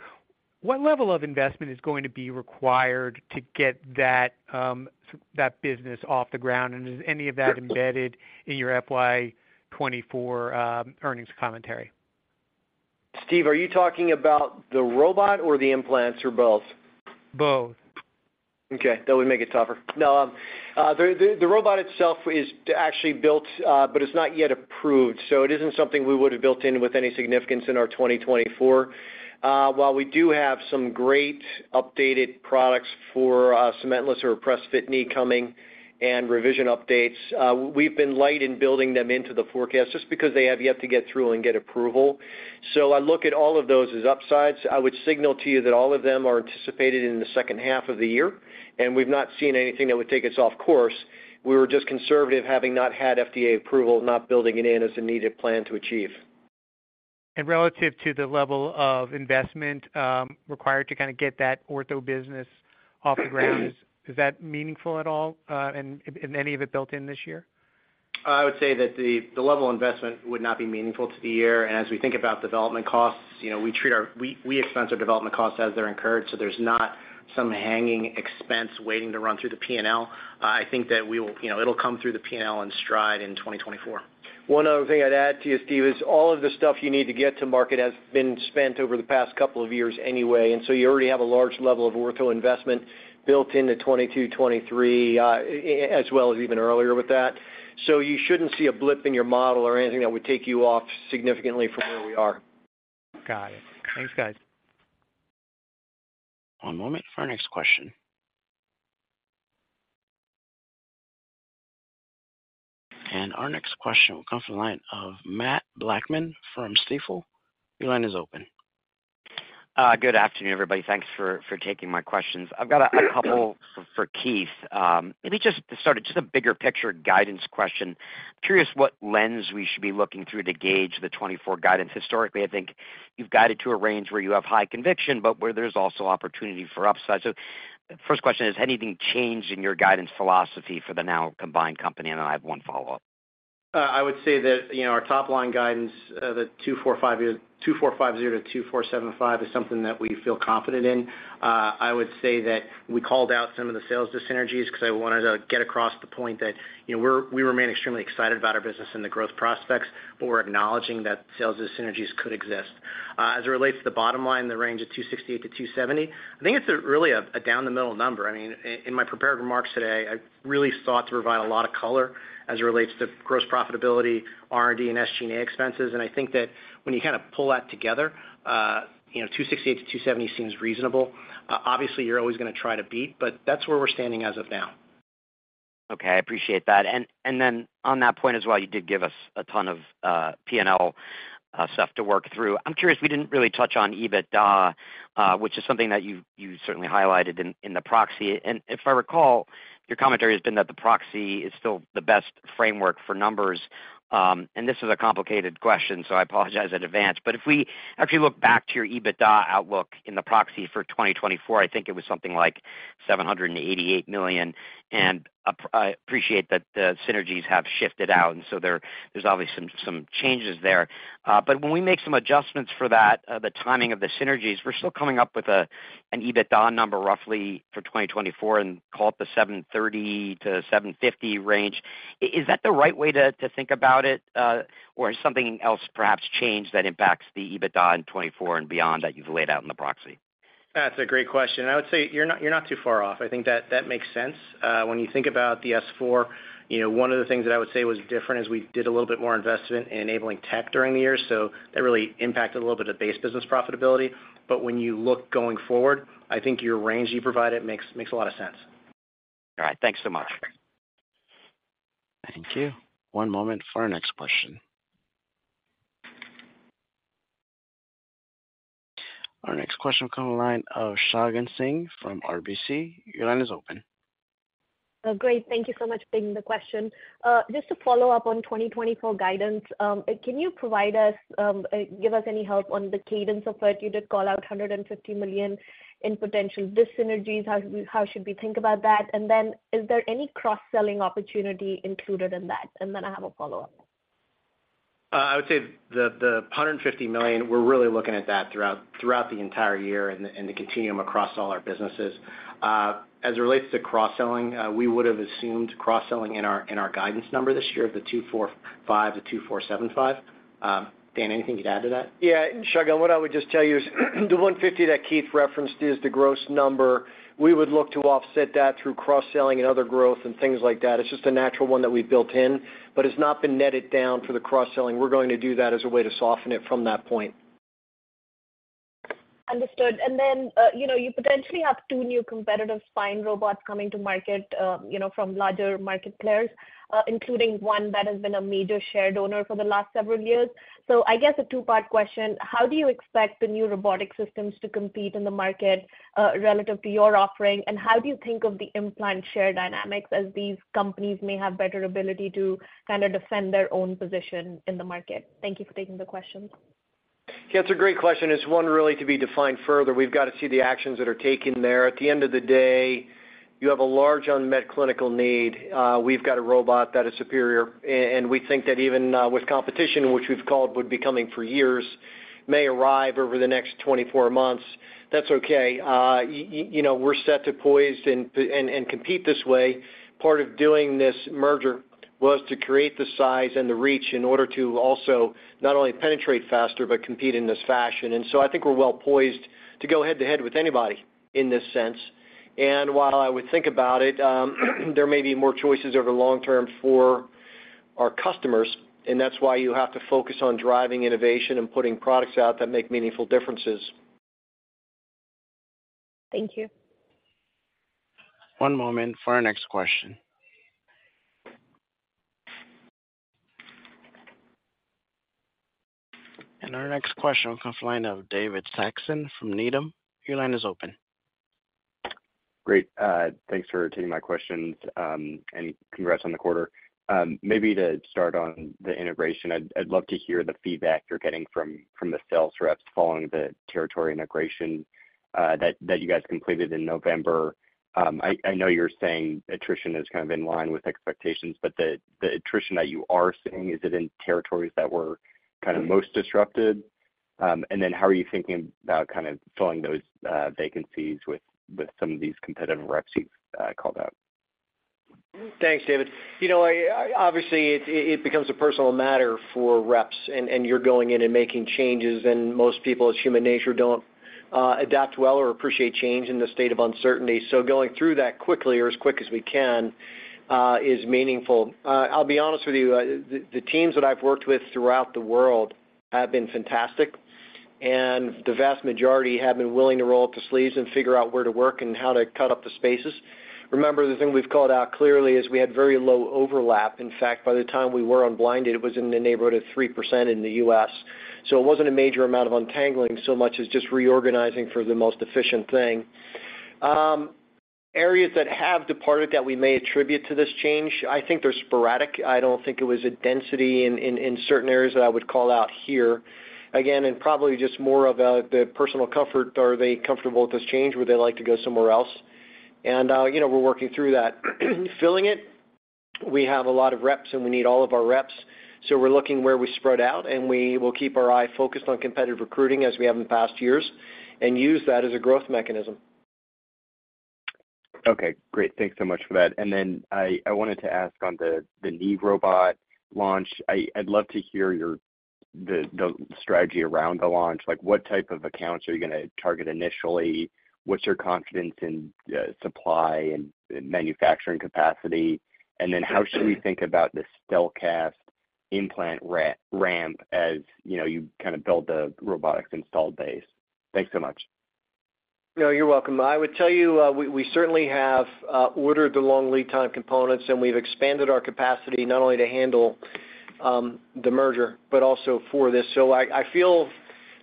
What level of investment is going to be required to get that business off the ground? And is any of that embedded in your FY 2024 earnings commentary? Steve, are you talking about the robot or the implants or both? Both. Okay, that would make it tougher. No, the robot itself is actually built, but it's not yet approved, so it isn't something we would have built in with any significance in our 2024. While we do have some great updated products for cementless or pressed fit knee coming and revision updates, we've been light in building them into the forecast, just because they have yet to get through and get approval. So I look at all of those as upsides. I would signal to you that all of them are anticipated in the second half of the year, and we've not seen anything that would take us off course. We were just conservative, having not had FDA approval, not building it in as a needed plan to achieve. Relative to the level of investment required to kind of get that ortho business off the ground, is that meaningful at all, and any of it built in this year? I would say that the level of investment would not be meaningful to the year. And as we think about development costs, you know, we expense our development costs as they're incurred, so there's not some hanging expense waiting to run through the P&L. I think that we will, you know, it'll come through the P&L in stride in 2024. One other thing I'd add to you, Steve, is all of the stuff you need to get to market has been spent over the past couple of years anyway, and so you already have a large level of ortho investment built into 2022, 2023, as well as even earlier with that. So you shouldn't see a blip in your model or anything that would take you off significantly from where we are. Got it. Thanks, guys. One moment for our next question. Our next question will come from the line of Matt Blackman from Stifel. Your line is open. Good afternoon, everybody. Thanks for taking my questions. I've got a couple for Keith. Maybe just to start, just a bigger picture guidance question. Curious what lens we should be looking through to gauge the 2024 guidance. Historically, I think you've guided to a range where you have high conviction, but where there's also opportunity for upside. So first question is: Has anything changed in your guidance philosophy for the now combined company? And I have one follow-up. I would say that, you know, our top-line guidance, the $245.0 million-$247.5 million, is something that we feel confident in. I would say that we called out some of the sales dis-synergies, because I wanted to get across the point that, you know, we're, we remain extremely excited about our business and the growth prospects, but we're acknowledging that sales dis-synergies could exist. As it relates to the bottom line, the range of $268 million-$270 million, I think it's a really down the middle number. I mean, in my prepared remarks today, I really sought to provide a lot of color as it relates to gross profitability, R&D, and SG&A expenses, and I think that when you kind of pull that together, you know, $268-$270 seems reasonable. Obviously, you're always gonna try to beat, but that's where we're standing as of now. Okay, I appreciate that. And, and then on that point as well, you did give us a ton of P&L stuff to work through. I'm curious, we didn't really touch on EBITDA which is something that you certainly highlighted in the proxy. And if I recall, your commentary has been that the proxy is still the best framework for numbers. And this is a complicated question, so I apologize in advance. But if we actually look back to your EBITDA outlook in the proxy for 2024, I think it was something like $788 million. And I appreciate that the synergies have shifted out, and so there, there's obviously some changes there. But when we make some adjustments for that, the timing of the synergies, we're still coming up with an EBITDA number roughly for 2024 and call it the $730 million-$750 million range. Is that the right way to think about it, or has something else perhaps changed that impacts the EBITDA in 2024 and beyond that you've laid out in the proxy? That's a great question. I would say you're not, you're not too far off. I think that, that makes sense. When you think about the S4, you know, one of the things that I would say was different is we did a little bit more investment in enabling tech during the year, so that really impacted a little bit of base business profitability. But when you look going forward, I think your range you provided makes, makes a lot of sense. All right. Thanks so much. Thank you. One moment for our next question. Our next question will come on the line of Shagun Singh from RBC. Your line is open. Great. Thank you so much for taking the question. Just to follow up on 2024 guidance, can you provide us, give us any help on the cadence of it? You did call out $150 million in potential dyssynergies. How, how should we think about that? And then is there any cross-selling opportunity included in that? And then I have a follow-up. I would say the $150 million, we're really looking at that throughout the entire year and the continuum across all our businesses. As it relates to cross-selling, we would've assumed cross-selling in our guidance number this year, the $245 million-$247.5 million. Dan, anything you'd add to that? Yeah, Shagun, what I would just tell you is the $150 that Keith referenced is the gross number. We would look to offset that through cross-selling and other growth and things like that. It's just a natural one that we've built in, but it's not been netted down for the cross-selling. We're going to do that as a way to soften it from that point. Understood. And then, you know, you potentially have two new competitive spine robots coming to market, you know, from larger market players, including one that has been a major share donor for the last several years. So I guess a two-part question: How do you expect the new robotic systems to compete in the market, relative to your offering? And how do you think of the implant share dynamics as these companies may have better ability to kind of defend their own position in the market? Thank you for taking the questions. Yeah, it's a great question. It's one really to be defined further. We've got to see the actions that are taken there. At the end of the day, you have a large unmet clinical need. We've got a robot that is superior, and we think that even with competition, which we've called would be coming for years, may arrive over the next 24 months, that's okay. You know, we're set and poised to compete this way. Part of doing this merger was to create the size and the reach in order to also not only penetrate faster, but compete in this fashion. And so I think we're well poised to go head-to-head with anybody in this sense. While I would think about it, there may be more choices over the long term for our customers, and that's why you have to focus on driving innovation and putting products out that make meaningful differences. Thank you. One moment for our next question. Our next question comes from the line of David Saxon from Needham. Your line is open. Great. Thanks for taking my questions, and congrats on the quarter. Maybe to start on the integration, I'd, I'd love to hear the feedback you're getting from, from the sales reps following the territory integration, that, that you guys completed in November. I, I know you're saying attrition is kind of in line with expectations, but the, the attrition that you are seeing, is it in territories that were kind of most disrupted? And then how are you thinking about kind of filling those vacancies with, with some of these competitive reps you've called out? Thanks, David. You know, obviously, it becomes a personal matter for reps, and you're going in and making changes, and most people, it's human nature, don't adapt well or appreciate change in the state of uncertainty. So going through that quickly or as quick as we can is meaningful. I'll be honest with you, the teams that I've worked with throughout the world have been fantastic, and the vast majority have been willing to roll up their sleeves and figure out where to work and how to cut up the spaces. Remember, the thing we've called out clearly is we had very low overlap. In fact, by the time we were unblinded, it was in the neighborhood of 3% in the U.S. So it wasn't a major amount of untangling so much as just reorganizing for the most efficient thing. Areas that have departed that we may attribute to this change, I think they're sporadic. I don't think it was a density in certain areas that I would call out here. Again, and probably just more of the personal comfort, are they comfortable with this change? Would they like to go somewhere else? You know, we're working through that. Filling it, we have a lot of reps, and we need all of our reps, so we're looking where we spread out, and we will keep our eye focused on competitive recruiting as we have in past years, and use that as a growth mechanism. Okay, great. Thanks so much for that. And then I wanted to ask on the knee robot launch. I'd love to hear your—the strategy around the launch. Like, what type of accounts are you gonna target initially? What's your confidence in supply and manufacturing capacity? And then how should we think about the StelKast implant ramp, as, you know, you kind of build the robotics installed base? Thanks so much. No, you're welcome. I would tell you, we certainly have ordered the long lead time components, and we've expanded our capacity not only to handle the merger, but also for this. So I feel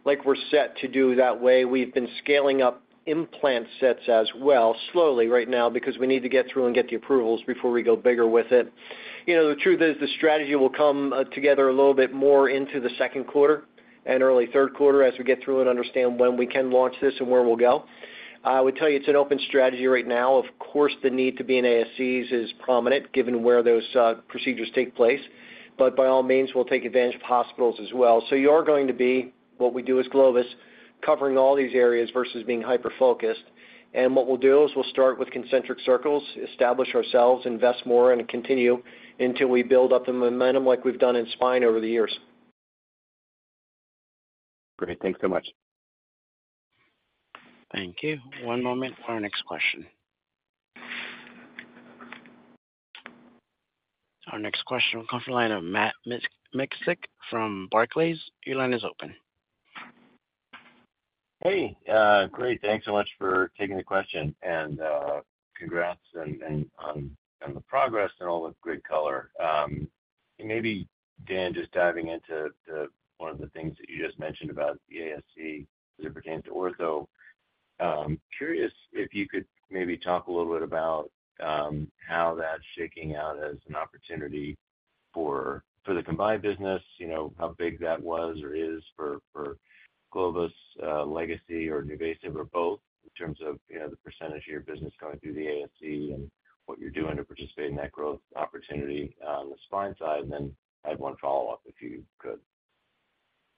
like we're set to do that way. We've been scaling up implant sets as well, slowly right now, because we need to get through and get the approvals before we go bigger with it. You know, the truth is, the strategy will come together a little bit more into the second quarter and early third quarter as we get through and understand when we can launch this and where we'll go. I would tell you it's an open strategy right now. Of course, the need to be in ASCs is prominent, given where those procedures take place, but by all means, we'll take advantage of hospitals as well. So you are going to be what we do as Globus, covering all these areas versus being hyper-focused. And what we'll do is we'll start with concentric circles, establish ourselves, invest more, and continue until we build up the momentum like we've done in spine over the years. Great. Thanks so much. Thank you. One moment for our next question. Our next question will come from the line of Matt Miksic from Barclays. Your line is open. Hey, great. Thanks so much for taking the question, and congrats on the progress and all the good color. Maybe, Dan, just diving into one of the things that you just mentioned about the ASC as it pertains to ortho. Curious if you could maybe talk a little bit about how that's shaking out as an opportunity for the combined business, you know, how big that was or is for Globus legacy or NuVasive, or both, in terms of, you know, the percentage of your business going through the ASC and what you're doing to participate in that growth opportunity on the spine side? And then I have one follow-up, if you could.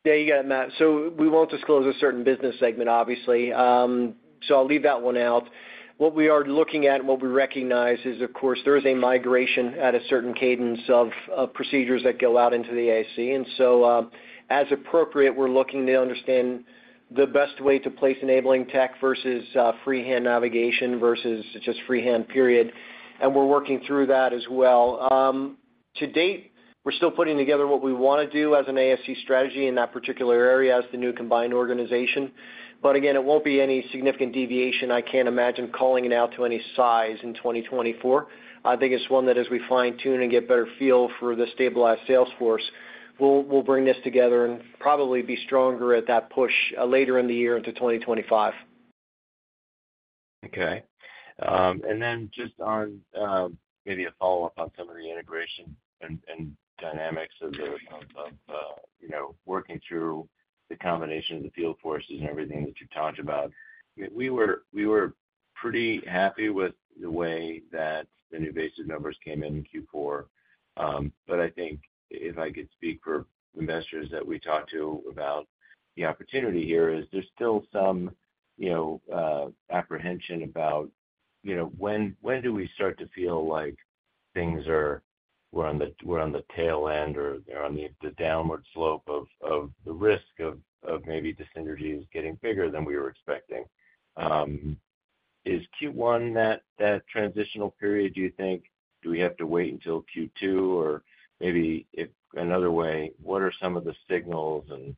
Yeah, you got it, Matt. So we won't disclose a certain business segment, obviously, so I'll leave that one out. What we are looking at and what we recognize is, of course, there is a migration at a certain cadence of procedures that go out into the ASC. And so, as appropriate, we're looking to understand the best way to place enabling tech versus freehand navigation versus just freehand, period, and we're working through that as well. To date, we're still putting together what we want to do as an ASC strategy in that particular area as the new combined organization. But again, it won't be any significant deviation. I can't imagine calling it out to any size in 2024. I think it's one that as we fine-tune and get better feel for the stabilized sales force, we'll bring this together and probably be stronger at that push later in the year into 2025. Okay. And then just on, maybe a follow-up on some of the integration and dynamics of the, of you know, working through the combination of the field forces and everything that you talked about. We were pretty happy with the way that the NuVasive numbers came in in Q4. But I think if I could speak for investors that we talked to about the opportunity here, is there's still some, you know, apprehension about, you know, when do we start to feel like things are—we're on the tail end or they're on the downward slope of the risk of maybe dyssynergies getting bigger than we were expecting. Is Q1 that transitional period, do you think? Do we have to wait until Q2? Or maybe if another way, what are some of the signals and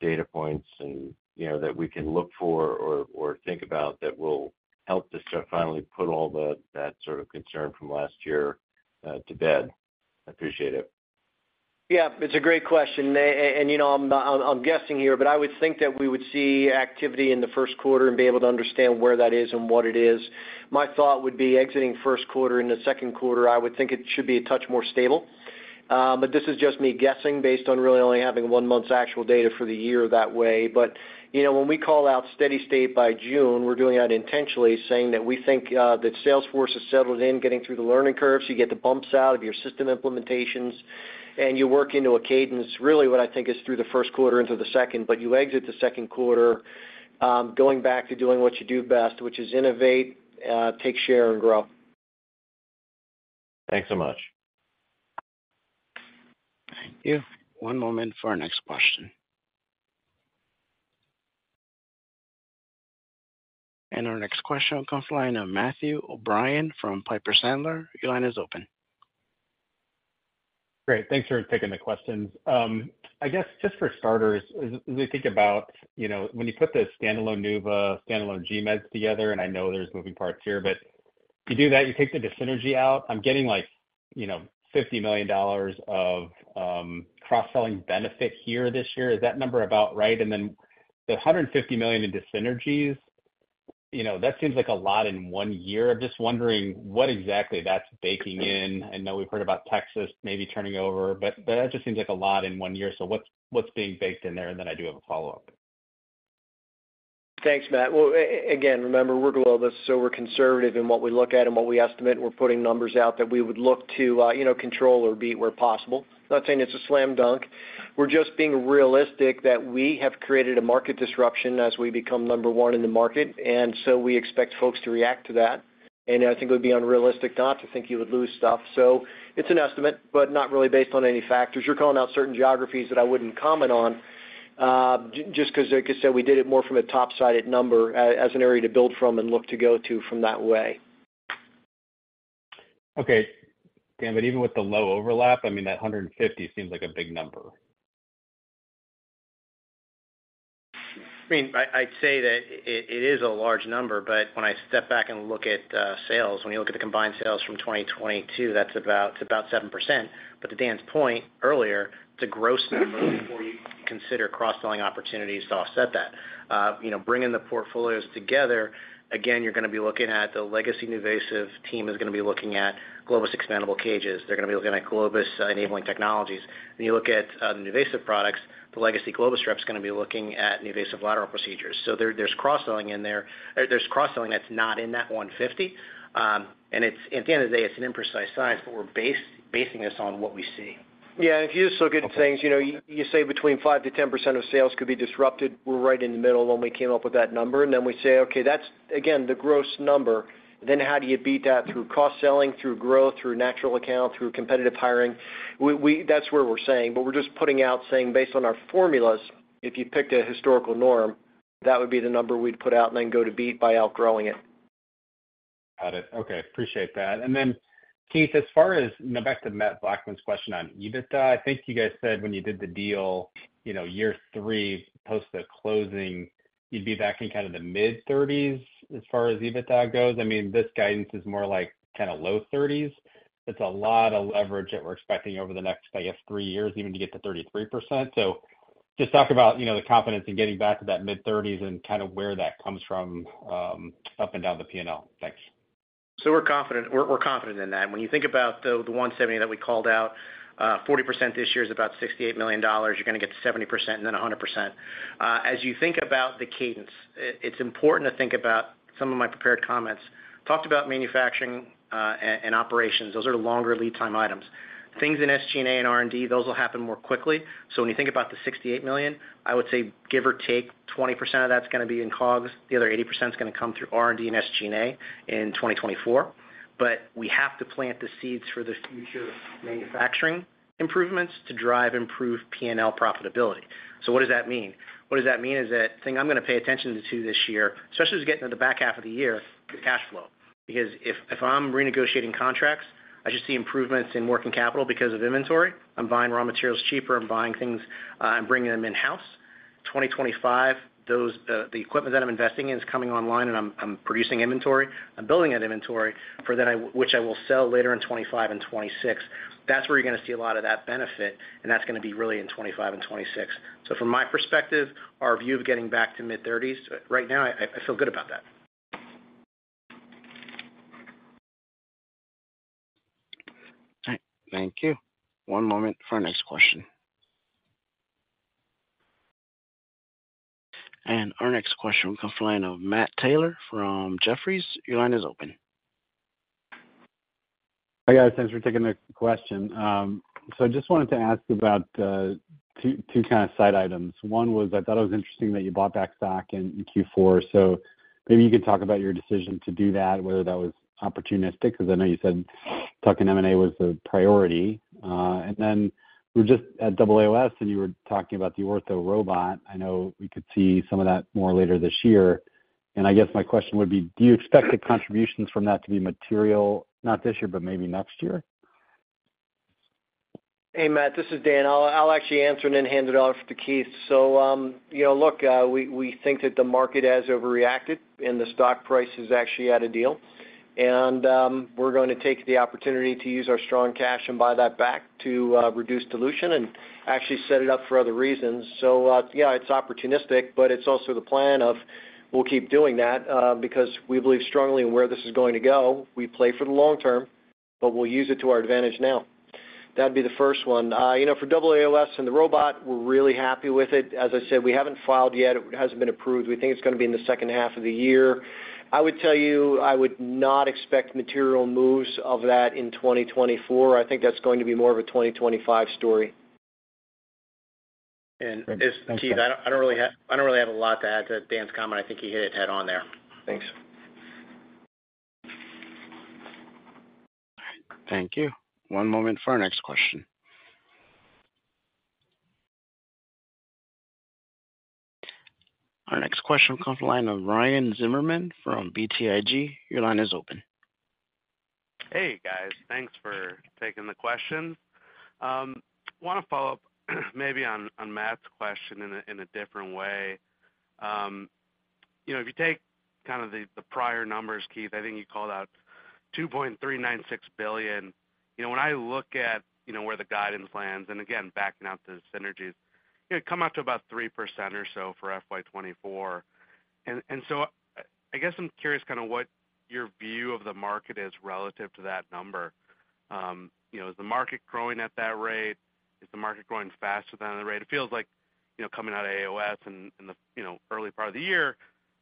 data points and, you know, that we can look for or, or think about that will help us to finally put all the, that sort of concern from last year, to bed? I appreciate it. Yeah, it's a great question. And, you know, I'm guessing here, but I would think that we would see activity in the first quarter and be able to understand where that is and what it is. My thought would be exiting first quarter. In the second quarter, I would think it should be a touch more stable. But this is just me guessing based on really only having one month's actual data for the year that way. But, you know, when we call out steady state by June, we're doing that intentionally, saying that we think that sales force has settled in, getting through the learning curves. You get the bumps out of your system implementations, and you work into a cadence. Really, what I think is through the first quarter into the second, but you exit the second quarter, going back to doing what you do best, which is innovate, take share, and grow. Thanks so much. Thank you. One moment for our next question. Our next question comes from the line of Matthew O'Brien from Piper Sandler. Your line is open. Great, thanks for taking the questions. I guess, just for starters, as we think about, you know, when you put the standalone NuVasive, standalone Globus together, and I know there's moving parts here, but you do that, you take the dyssynergy out. I'm getting like, you know, $50 million of cross-selling benefit here this year. Is that number about right? And then the $150 million in dyssynergies, you know, that seems like a lot in one year. I'm just wondering what exactly that's baking in. I know we've heard about Texas maybe turning over, but that just seems like a lot in one year. So what's being baked in there? And then I do have a follow-up. Thanks, Matt. Well, again, remember, we're Globus, so we're conservative in what we look at and what we estimate, and we're putting numbers out that we would look to, you know, control or beat where possible. Not saying it's a slam dunk. We're just being realistic that we have created a market disruption as we become number one in the market, and so we expect folks to react to that. And I think it would be unrealistic not to think you would lose stuff. So it's an estimate, but not really based on any factors. You're calling out certain geographies that I wouldn't comment on, just because, like I said, we did it more from a top-sided number as an area to build from and look to go to from that way. Okay. Dan, but even with the low overlap, I mean, that 150 seems like a big number. I mean, I'd say that it is a large number, but when I step back and look at sales, when you look at the combined sales from 2022, that's about, it's about 7%. But to Dan's point earlier, it's a gross number before you consider cross-selling opportunities to offset that. You know, bringing the portfolios together, again, you're going to be looking at the legacy NuVasive team is going to be looking at Globus expandable cages. They're going to be looking at Globus-enabling technologies. When you look at the NuVasive products, the legacy Globus rep is going to be looking at NuVasive lateral procedures. So there, there's cross-selling in there or there's cross-selling that's not in that $150. And it's, at the end of the day, it's an imprecise science, but we're base-basing this on what we see. Yeah, if you just look at things, you know, you say between 5%-10% of sales could be disrupted. We're right in the middle when we came up with that number, and then we say, okay, that's again, the gross number. Then how do you beat that? Through cross-selling, through growth, through natural accounts, through competitive hiring. We-- that's where we're saying, but we're just putting out, saying, based on our formulas, if you picked a historical norm, that would be the number we'd put out and then go to beat by outgrowing it. Got it. Okay, appreciate that. And then, Keith, as far as, now back to Matt Blackman's question on EBITDA, I think you guys said when you did the deal, you know, year three, post the closing, you'd be back in kind of the mid-30s% as far as EBITDA goes. I mean, this guidance is more like kind of low 30s%. It's a lot of leverage that we're expecting over the next, I guess, three years, even to get to 33%. So just talk about, you know, the confidence in getting back to that mid-30s% and kind of where that comes from, up and down the P&L. Thanks. So we're confident in that. When you think about the 170 that we called out, 40% this year is about $68 million. You're going to get to 70% and then 100%. As you think about the cadence, it's important to think about some of my prepared comments. Talked about manufacturing and operations. Those are longer lead time items. Things in SG&A and R&D, those will happen more quickly. So when you think about the $68 million, I would say give or take 20% of that's going to be in COGS. The other 80% is going to come through R&D and SG&A in 2024. But we have to plant the seeds for the future manufacturing improvements to drive improved P&L profitability. So what does that mean? What does that mean is that the thing I'm going to pay attention to this year, especially as we get into the back half of the year, is cash flow. Because if, if I'm renegotiating contracts, I should see improvements in working capital because of inventory. I'm buying raw materials cheaper. I'm buying things, I'm bringing them in-house. 2025, those-- the equipment that I'm investing in is coming online, and I'm, I'm producing inventory. I'm building that inventory for then I-- which I will sell later in 2025 and 2026. That's where you're going to see a lot of that benefit, and that's going to be really in 2025 and 2026. So from my perspective, our view of getting back to mid-30s, right now, I, I, I feel good about that. All right. Thank you. One moment for our next question. Our next question will come from the line of Matt Taylor from Jefferies. Your line is open. Hi, guys. Thanks for taking the question. So I just wanted to ask about two kind of side items. One was, I thought it was interesting that you bought back stock in Q4, so maybe you could talk about your decision to do that, whether that was opportunistic, because I know you said talking M&A was the priority. And then we were just at AAOS, and you were talking about the Ortho Robot. I know we could see some of that more later this year. And I guess my question would be, do you expect the contributions from that to be material, not this year, but maybe next year? Hey, Matt, this is Dan. I'll actually answer and then hand it off to Keith. So, you know, look, we think that the market has overreacted, and the stock price is actually at a deal. We're going to take the opportunity to use our strong cash and buy that back to reduce dilution and actually set it up for other reasons. So, yeah, it's opportunistic, but it's also the plan of we'll keep doing that because we believe strongly in where this is going to go. We play for the long term, but we'll use it to our advantage now. That'd be the first one. You know, for AAOS and the robot, we're really happy with it. As I said, we haven't filed yet. It hasn't been approved. We think it's going to be in the second half of the year. I would tell you, I would not expect material moves of that in 2024. I think that's going to be more of a 2025 story. Great. Thanks, Dan. I don't really have a lot to add to Dan's comment. I think he hit it head on there. Thanks. Thank you. One moment for our next question. Our next question comes from the line of Ryan Zimmerman from BTIG. Your line is open. Hey, guys, thanks for taking the question. Want to follow up maybe on Matt's question in a different way. You know, if you take kind of the prior numbers, Keith, I think you called out $2.396 billion. You know, when I look at, you know, where the guidance lands, and again, backing out the synergies, you know, come out to about 3% or so for FY 2024. So I guess I'm curious kind of what your view of the market is relative to that number. You know, is the market growing at that rate? Is the market growing faster than the rate? It feels like, you know, coming out of AAOS in the, you know, early part of the year,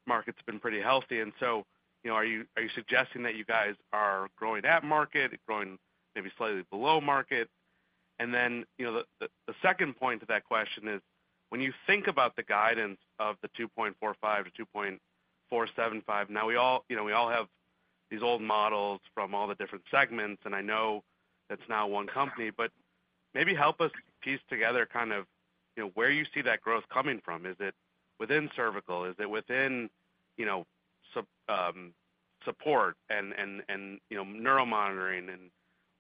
market's been pretty healthy. And so, you know, are you suggesting that you guys are growing at market, growing maybe slightly below market? And then, you know, the second point to that question is, when you think about the guidance of the $2.45-$2.475, now we all, you know, we all have these old models from all the different segments, and I know it's now one company, but maybe help us piece together kind of, you know, where you see that growth coming from. Is it within cervical? Is it within, you know, support and, and, you know, neural monitoring and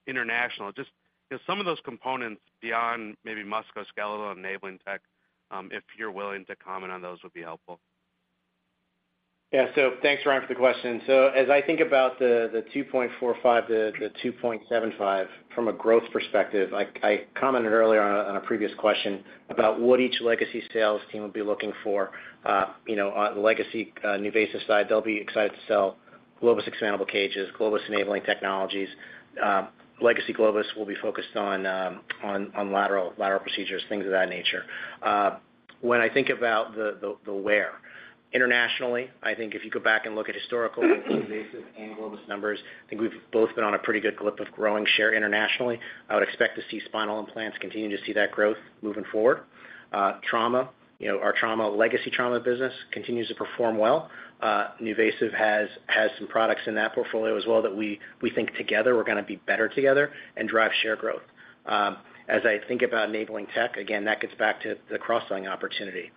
international? Just, you know, some of those components beyond maybe musculoskeletal enabling tech, if you're willing to comment on those, would be helpful. Yeah. Thanks, Ryan, for the question. As I think about the $2.45-$2.75 from a growth perspective, I commented earlier on a previous question about what each legacy sales team would be looking for. You know, on legacy NuVasive side, they'll be excited to sell Globus expandable cages, Globus enabling technologies. Legacy Globus will be focused on lateral procedures, things of that nature. When I think about the where internationally, I think if you go back and look at historical NuVasive and Globus numbers, I think we've both been on a pretty good clip of growing share internationally. I would expect to see spinal implants continuing to see that growth moving forward. You know, our trauma, legacy trauma business continues to perform well. NuVasive has, has some products in that portfolio as well that we, we think together are gonna be better together and drive share growth. As I think about enabling tech, again, that gets back to the cross-selling opportunity.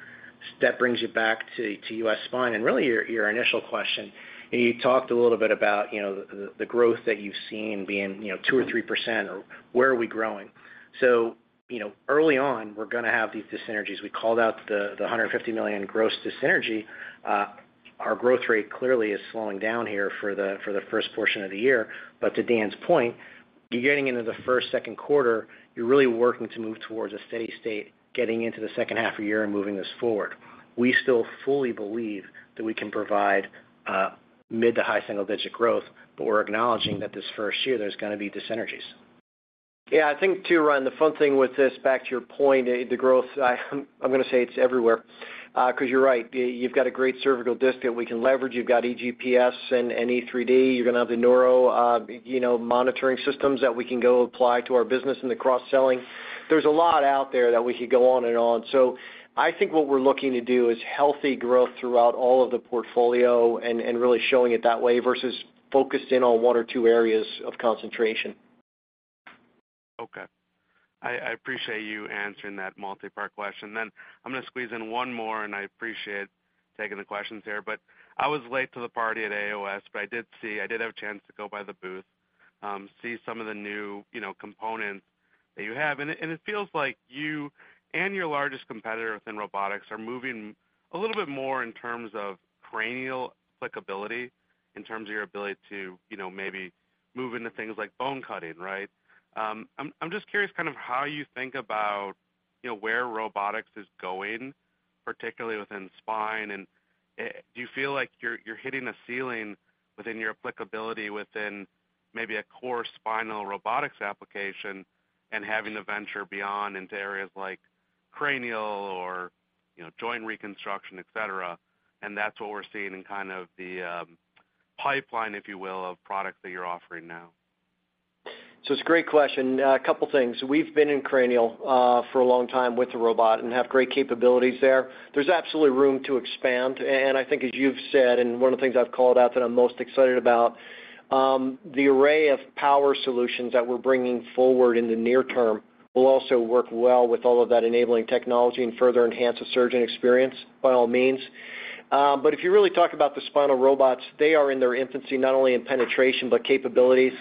That brings you back to U.S. Spine and really your, your initial question. And you talked a little bit about, you know, the, the growth that you've seen being, you know, 2%-3%, or where are we growing? So, you know, early on, we're gonna have these dis-synergies. We called out the $150 million gross dis-synergy. Our growth rate clearly is slowing down here for the first portion of the year. But to Dan's point, you're getting into the first, second quarter, you're really working to move towards a steady state, getting into the second half of the year and moving this forward. We still fully believe that we can provide mid- to high-single-digit growth, but we're acknowledging that this first year, there's gonna be dyssynergies. Yeah, I think too, Ryan, the fun thing with this, back to your point, the growth, I'm gonna say it's everywhere. Because you're right, you've got a great cervical disc that we can leverage. You've got ExcelsiusGPS and E3D. You're gonna have the neuro, you know, monitoring systems that we can go apply to our business and the cross-selling. There's a lot out there that we could go on and on. So I think what we're looking to do is healthy growth throughout all of the portfolio and really showing it that way, versus focused in on one or two areas of concentration. Okay. I appreciate you answering that multi-part question. Then I'm gonna squeeze in one more, and I appreciate taking the questions here. But I was late to the party at AAOS, but I did see. I did have a chance to go by the booth, see some of the new, you know, components that you have. And it, and it feels like you and your largest competitor within robotics are moving a little bit more in terms of cranial applicability, in terms of your ability to, you know, maybe move into things like bone cutting, right? I'm just curious kind of how you think about, you know, where robotics is going, particularly within spine, and do you feel like you're hitting a ceiling within your applicability within maybe a core spinal robotics application and having to venture beyond into areas like cranial or, you know, joint reconstruction, et cetera, and that's what we're seeing in kind of the pipeline, if you will, of products that you're offering now? So it's a great question. A couple things. We've been in cranial for a long time with the robot and have great capabilities there. There's absolutely room to expand. And I think, as you've said, and one of the things I've called out that I'm most excited about, the array of power solutions that we're bringing forward in the near term will also work well with all of that enabling technology and further enhance the surgeon experience, by all means. But if you really talk about the spinal robots, they are in their infancy, not only in penetration, but capabilities.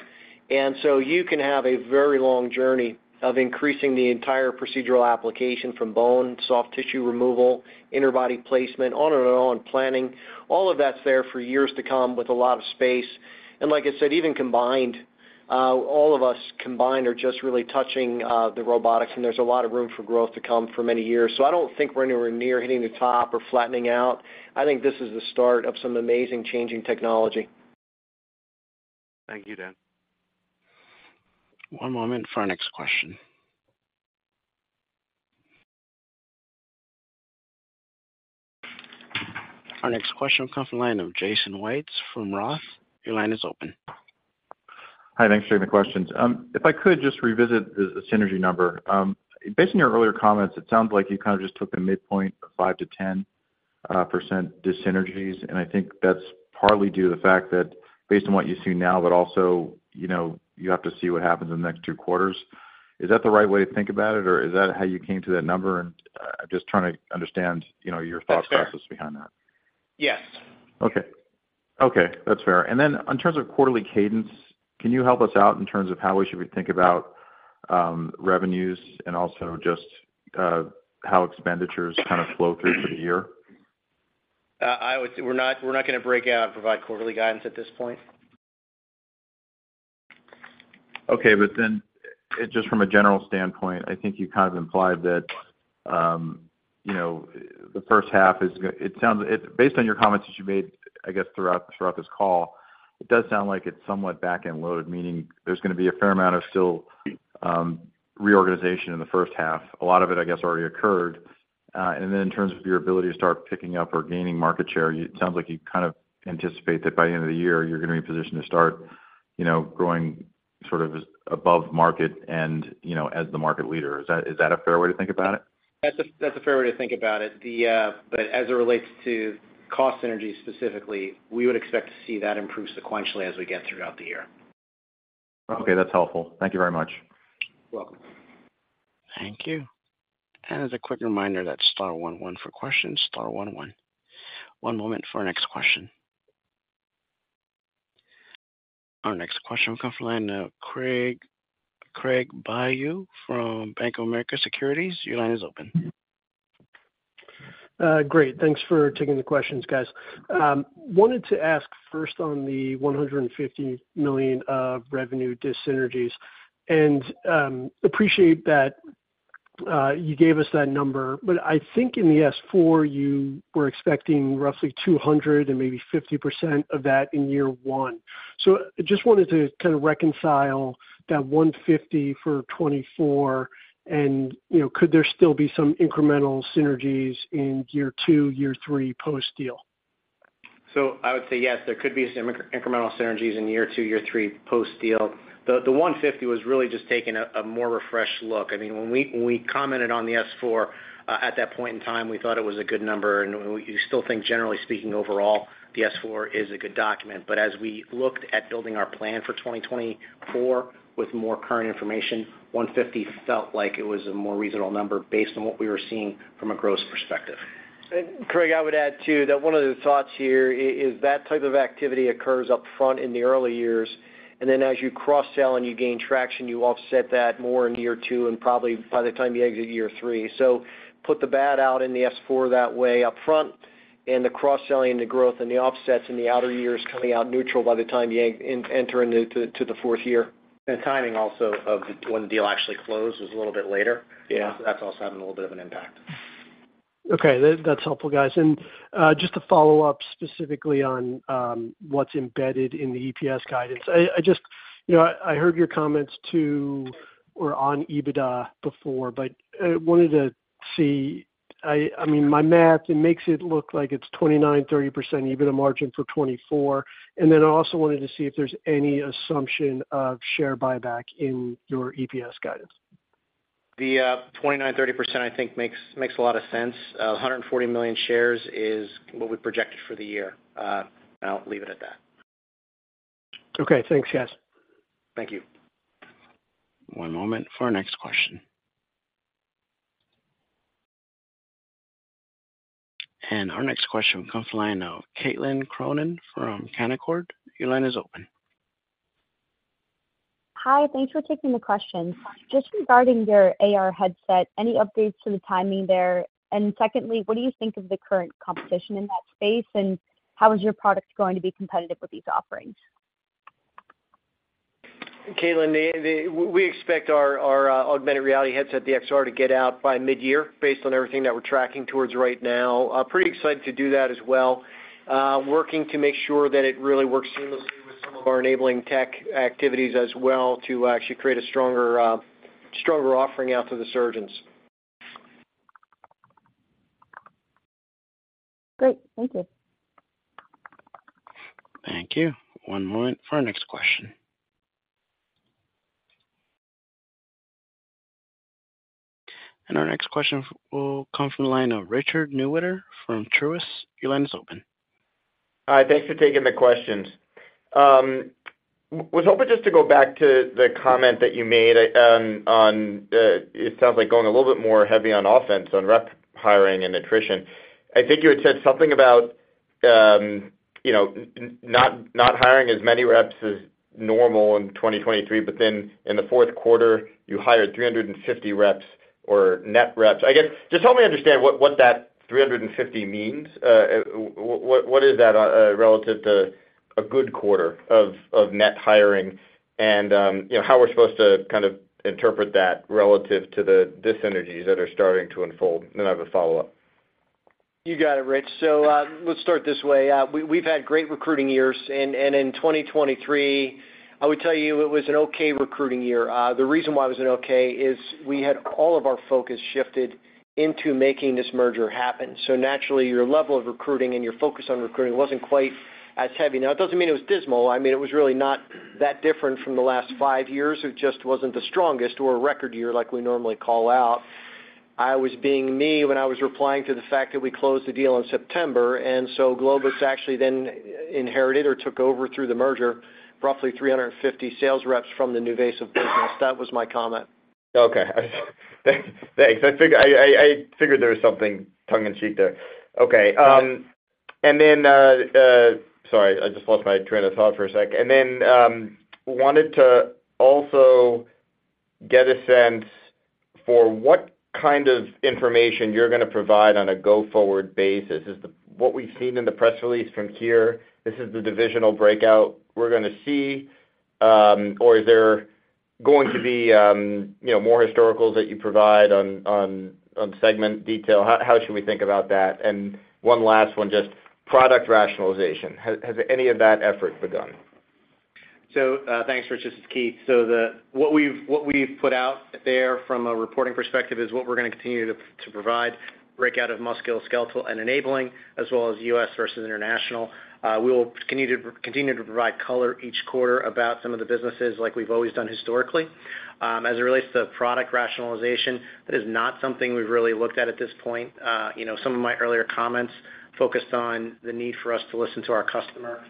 And so you can have a very long journey of increasing the entire procedural application from bone, soft tissue removal, interbody placement, on and on, planning. All of that's there for years to come with a lot of space. And like I said, even combined, all of us combined are just really touching the robotics, and there's a lot of room for growth to come for many years. So I don't think we're anywhere near hitting the top or flattening out. I think this is the start of some amazing changing technology. Thank you, Dan. One moment for our next question. Our next question will come from the line of Jason Wittes from Roth. Your line is open. Hi, thanks for taking the questions. If I could just revisit the synergy number. Based on your earlier comments, it sounds like you kind of just took the midpoint of 5%-10% dyssynergies, and I think that's partly due to the fact that based on what you see now, but also, you know, you have to see what happens in the next two quarters. Is that the right way to think about it, or is that how you came to that number? Just trying to understand, you know, your thought process behind that. Yes. Okay. Okay, that's fair. And then in terms of quarterly cadence, can you help us out in terms of how we should think about revenues and also just how expenditures kind of flow through for the year? I would say, we're not, we're not gonna break out and provide quarterly guidance at this point. Okay, but then just from a general standpoint, I think you kind of implied that, you know, the first half is. It sounds based on your comments that you made, I guess, throughout this call, it does sound like it's somewhat back-end loaded, meaning there's gonna be a fair amount of still reorganization in the first half. A lot of it, I guess, already occurred. And then in terms of your ability to start picking up or gaining market share, it sounds like you kind of anticipate that by the end of the year, you're gonna be positioned to start, you know, growing sort of above market and, you know, as the market leader. Is that, is that a fair way to think about it? That's a fair way to think about it. But as it relates to cost synergies specifically, we would expect to see that improve sequentially as we get throughout the year. Okay, that's helpful. Thank you very much. Welcome. Thank you. And as a quick reminder, that's star one one for questions, star one one. One moment for our next question. Our next question will come from the line of Craig Bijou from Bank of America Securities. Your line is open. Great. Thanks for taking the questions, guys. Wanted to ask first on the $150 million of revenue dyssynergies, and appreciate that you gave us that number. But I think in the S-4, you were expecting roughly 200 and maybe 50% of that in year one. So just wanted to kind of reconcile that 150 for 2024, and, you know, could there still be some incremental synergies in year two, year three post-deal? So I would say, yes, there could be some incremental synergies in year 2, year 3 post-deal. The $150 was really just taking a more refreshed look. I mean, when we commented on the S-4, at that point in time, we thought it was a good number, and we still think, generally speaking, overall, the S-4 is a good document. But as we looked at building our plan for 2024 with more current information, $150 felt like it was a more reasonable number based on what we were seeing from a growth perspective. Craig, I would add, too, that one of the thoughts here is that type of activity occurs up front in the early years, and then as you cross-sell and you gain traction, you offset that more in year two and probably by the time you exit year three. So put the bad out in the S-4 that way up front, and the cross-selling, the growth and the offsets in the outer years coming out neutral by the time you enter into the fourth year. And timing also of when the deal actually closed was a little bit later. Yeah. That's also having a little bit of an impact. Okay, that's helpful, guys. And just to follow up specifically on what's embedded in the EPS guidance. I just, you know, I heard your comments to or on EBITDA before, but wanted to see. I mean, my math, it makes it look like it's 29%-30% EBITDA margin for 2024. And then I also wanted to see if there's any assumption of share buyback in your EPS guidance. The 29%-30%, I think, makes a lot of sense. 140 million shares is what we projected for the year. And I'll leave it at that. Okay, thanks, guys. Thank you. One moment for our next question. Our next question comes from the line of Caitlin Cronin from Canaccord. Your line is open. Hi, thanks for taking the questions. Just regarding your AR headset, any updates to the timing there? And secondly, what do you think of the current competition in that space, and how is your product going to be competitive with these offerings? Caitlin, we expect our augmented reality headset, the XR, to get out by mid-year, based on everything that we're tracking towards right now. Pretty excited to do that as well. Working to make sure that it really works seamlessly with some of our enabling tech activities as well, to actually create a stronger, stronger offering out to the surgeons. Great. Thank you. Thank you. One moment for our next question. Our next question will come from the line of Richard Newitter from Truist. Your line is open. Hi, thanks for taking the questions. Was hoping just to go back to the comment that you made on it sounds like going a little bit more heavy on offense, on rep hiring and attrition. I think you had said something about, you know, not hiring as many reps as normal in 2023, but then in the fourth quarter, you hired 350 reps or net reps. I guess, just help me understand what that 350 means. What, what is that relative to a good quarter of net hiring? And, you know, how we're supposed to kind of interpret that relative to the dis-synergies that are starting to unfold? And then I have a follow-up. You got it, Rich. So, let's start this way. We've had great recruiting years, and, and in 2023, I would tell you it was an okay recruiting year. The reason why it was an okay is we had all of our focus shifted into making this merger happen. So naturally, your level of recruiting and your focus on recruiting wasn't quite as heavy. Now, it doesn't mean it was dismal. I mean, it was really not that different from the last five years. It just wasn't the strongest or a record year like we normally call out. I was being me when I was replying to the fact that we closed the deal in September, and so Globus actually then inherited or took over through the merger, roughly 350 sales reps from the NuVasive business. That was my comment. Okay. Thanks. Thanks. I figured there was something tongue-in-cheek there. Okay, and then, sorry, I just lost my train of thought for a sec. Then, wanted to also get a sense for what kind of information you're gonna provide on a go-forward basis. Is what we've seen in the press release from here the divisional breakout we're gonna see, or is there going to be, you know, more historicals that you provide on segment detail? How should we think about that? And one last one, just product rationalization. Has any of that effort begun? So, thanks, Rich. This is Keith. So what we've put out there from a reporting perspective is what we're gonna continue to provide break out of musculoskeletal and enabling, as well as US versus international. We will continue to provide color each quarter about some of the businesses like we've always done historically. As it relates to product rationalization, that is not something we've really looked at at this point. You know, some of my earlier comments focused on the need for us to listen to our customer.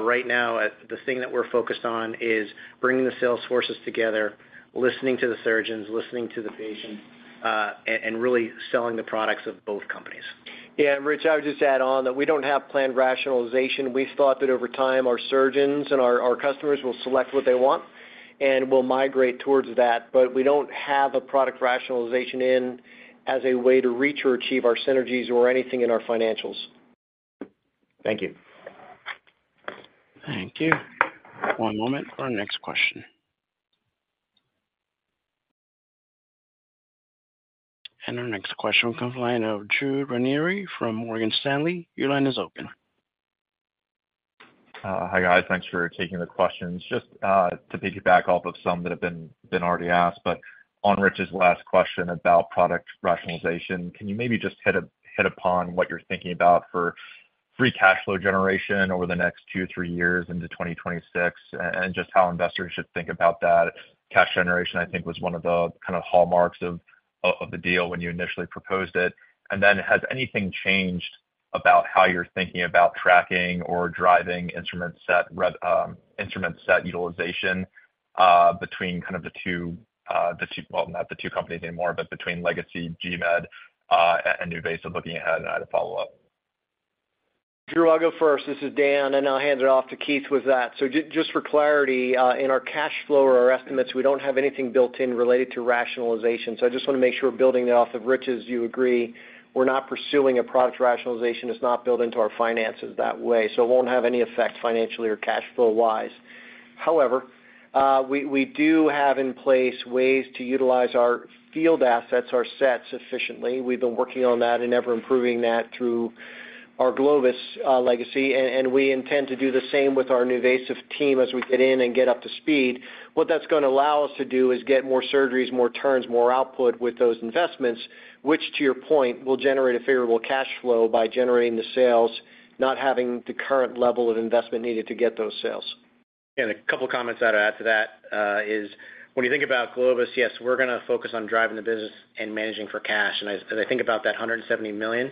Right now, the thing that we're focused on is bringing the sales forces together, listening to the surgeons, listening to the patients, and really selling the products of both companies. Yeah, Rich, I would just add on that we don't have planned rationalization. We've thought that over time, our surgeons and our, our customers will select what they want, and we'll migrate towards that. But we don't have a product rationalization in as a way to reach or achieve our synergies or anything in our financials. Thank you. Thank you. One moment for our next question. Our next question comes from the line of Drew Ranieri from Morgan Stanley. Your line is open. Hi, guys. Thanks for taking the questions. Just, to piggyback off of some that have been already asked, but on Rich's last question about product rationalization, can you maybe just hit upon what you're thinking about for free cash flow generation over the next 2, 3 years into 2026, and just how investors should think about that? Cash generation, I think, was one of the kind of hallmarks of the deal when you initially proposed it. And then has anything changed about how you're thinking about tracking or driving instrument set utilization, between kind of the two... Well, not the two companies anymore, but between legacy GMED and NuVasive looking ahead, and I had a follow-up. Drew, I'll go first. This is Dan, and I'll hand it off to Keith with that. So just for clarity, in our cash flow or our estimates, we don't have anything built in related to rationalization. So I just want to make sure we're building that off of Rich's, you agree, we're not pursuing a product rationalization, it's not built into our finances that way, so it won't have any effect financially or cash flow-wise. However, we do have in place ways to utilize our field assets, our sets efficiently. We've been working on that and ever improving that through our Globus legacy, and we intend to do the same with our NuVasive team as we get in and get up to speed. What that's going to allow us to do is get more surgeries, more turns, more output with those investments, which, to your point, will generate a favorable cash flow by generating the sales, not having the current level of investment needed to get those sales. A couple of comments that I'd add to that is when you think about Globus, yes, we're going to focus on driving the business and managing for cash. And as I think about that $170 million,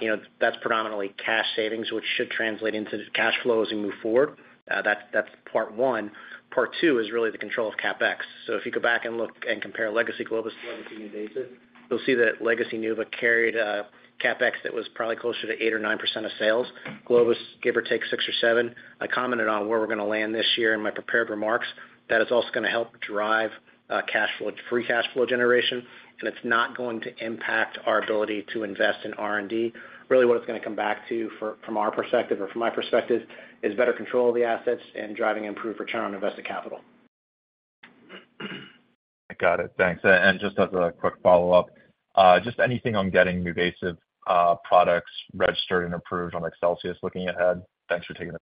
you know, that's predominantly cash savings, which should translate into cash flows as we move forward. That's part one. Part two is really the control of CapEx. So if you go back and look and compare legacy Globus to legacy NuVasive, you'll see that legacy NuVasive carried a CapEx that was probably closer to 8%-9% of sales. Globus, give or take, 6%-7%. I commented on where we're going to land this year in my prepared remarks, that it's also going to help drive, cash flow, free cash flow generation, and it's not going to impact our ability to invest in R&D. Really, what it's going to come back to from our perspective or from my perspective, is better control of the assets and driving improved return on invested capital. Got it. Thanks. And just as a quick follow-up, just anything on getting NuVasive products registered and approved on Excelsius looking ahead? Thanks for taking the-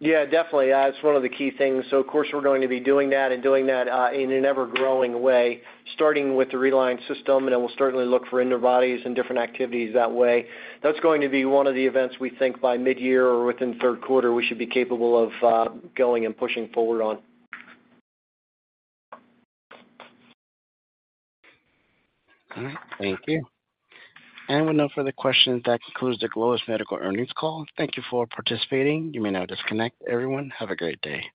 Yeah, definitely. It's one of the key things. So of course, we're going to be doing that and doing that in an ever-growing way, starting with the Reline system, and then we'll certainly look for interbodies and different activities that way. That's going to be one of the events we think by mid-year or within third quarter, we should be capable of going and pushing forward on. All right. Thank you. With no further questions, that concludes the Globus Medical earnings call. Thank you for participating. You may now disconnect everyone. Have a great day.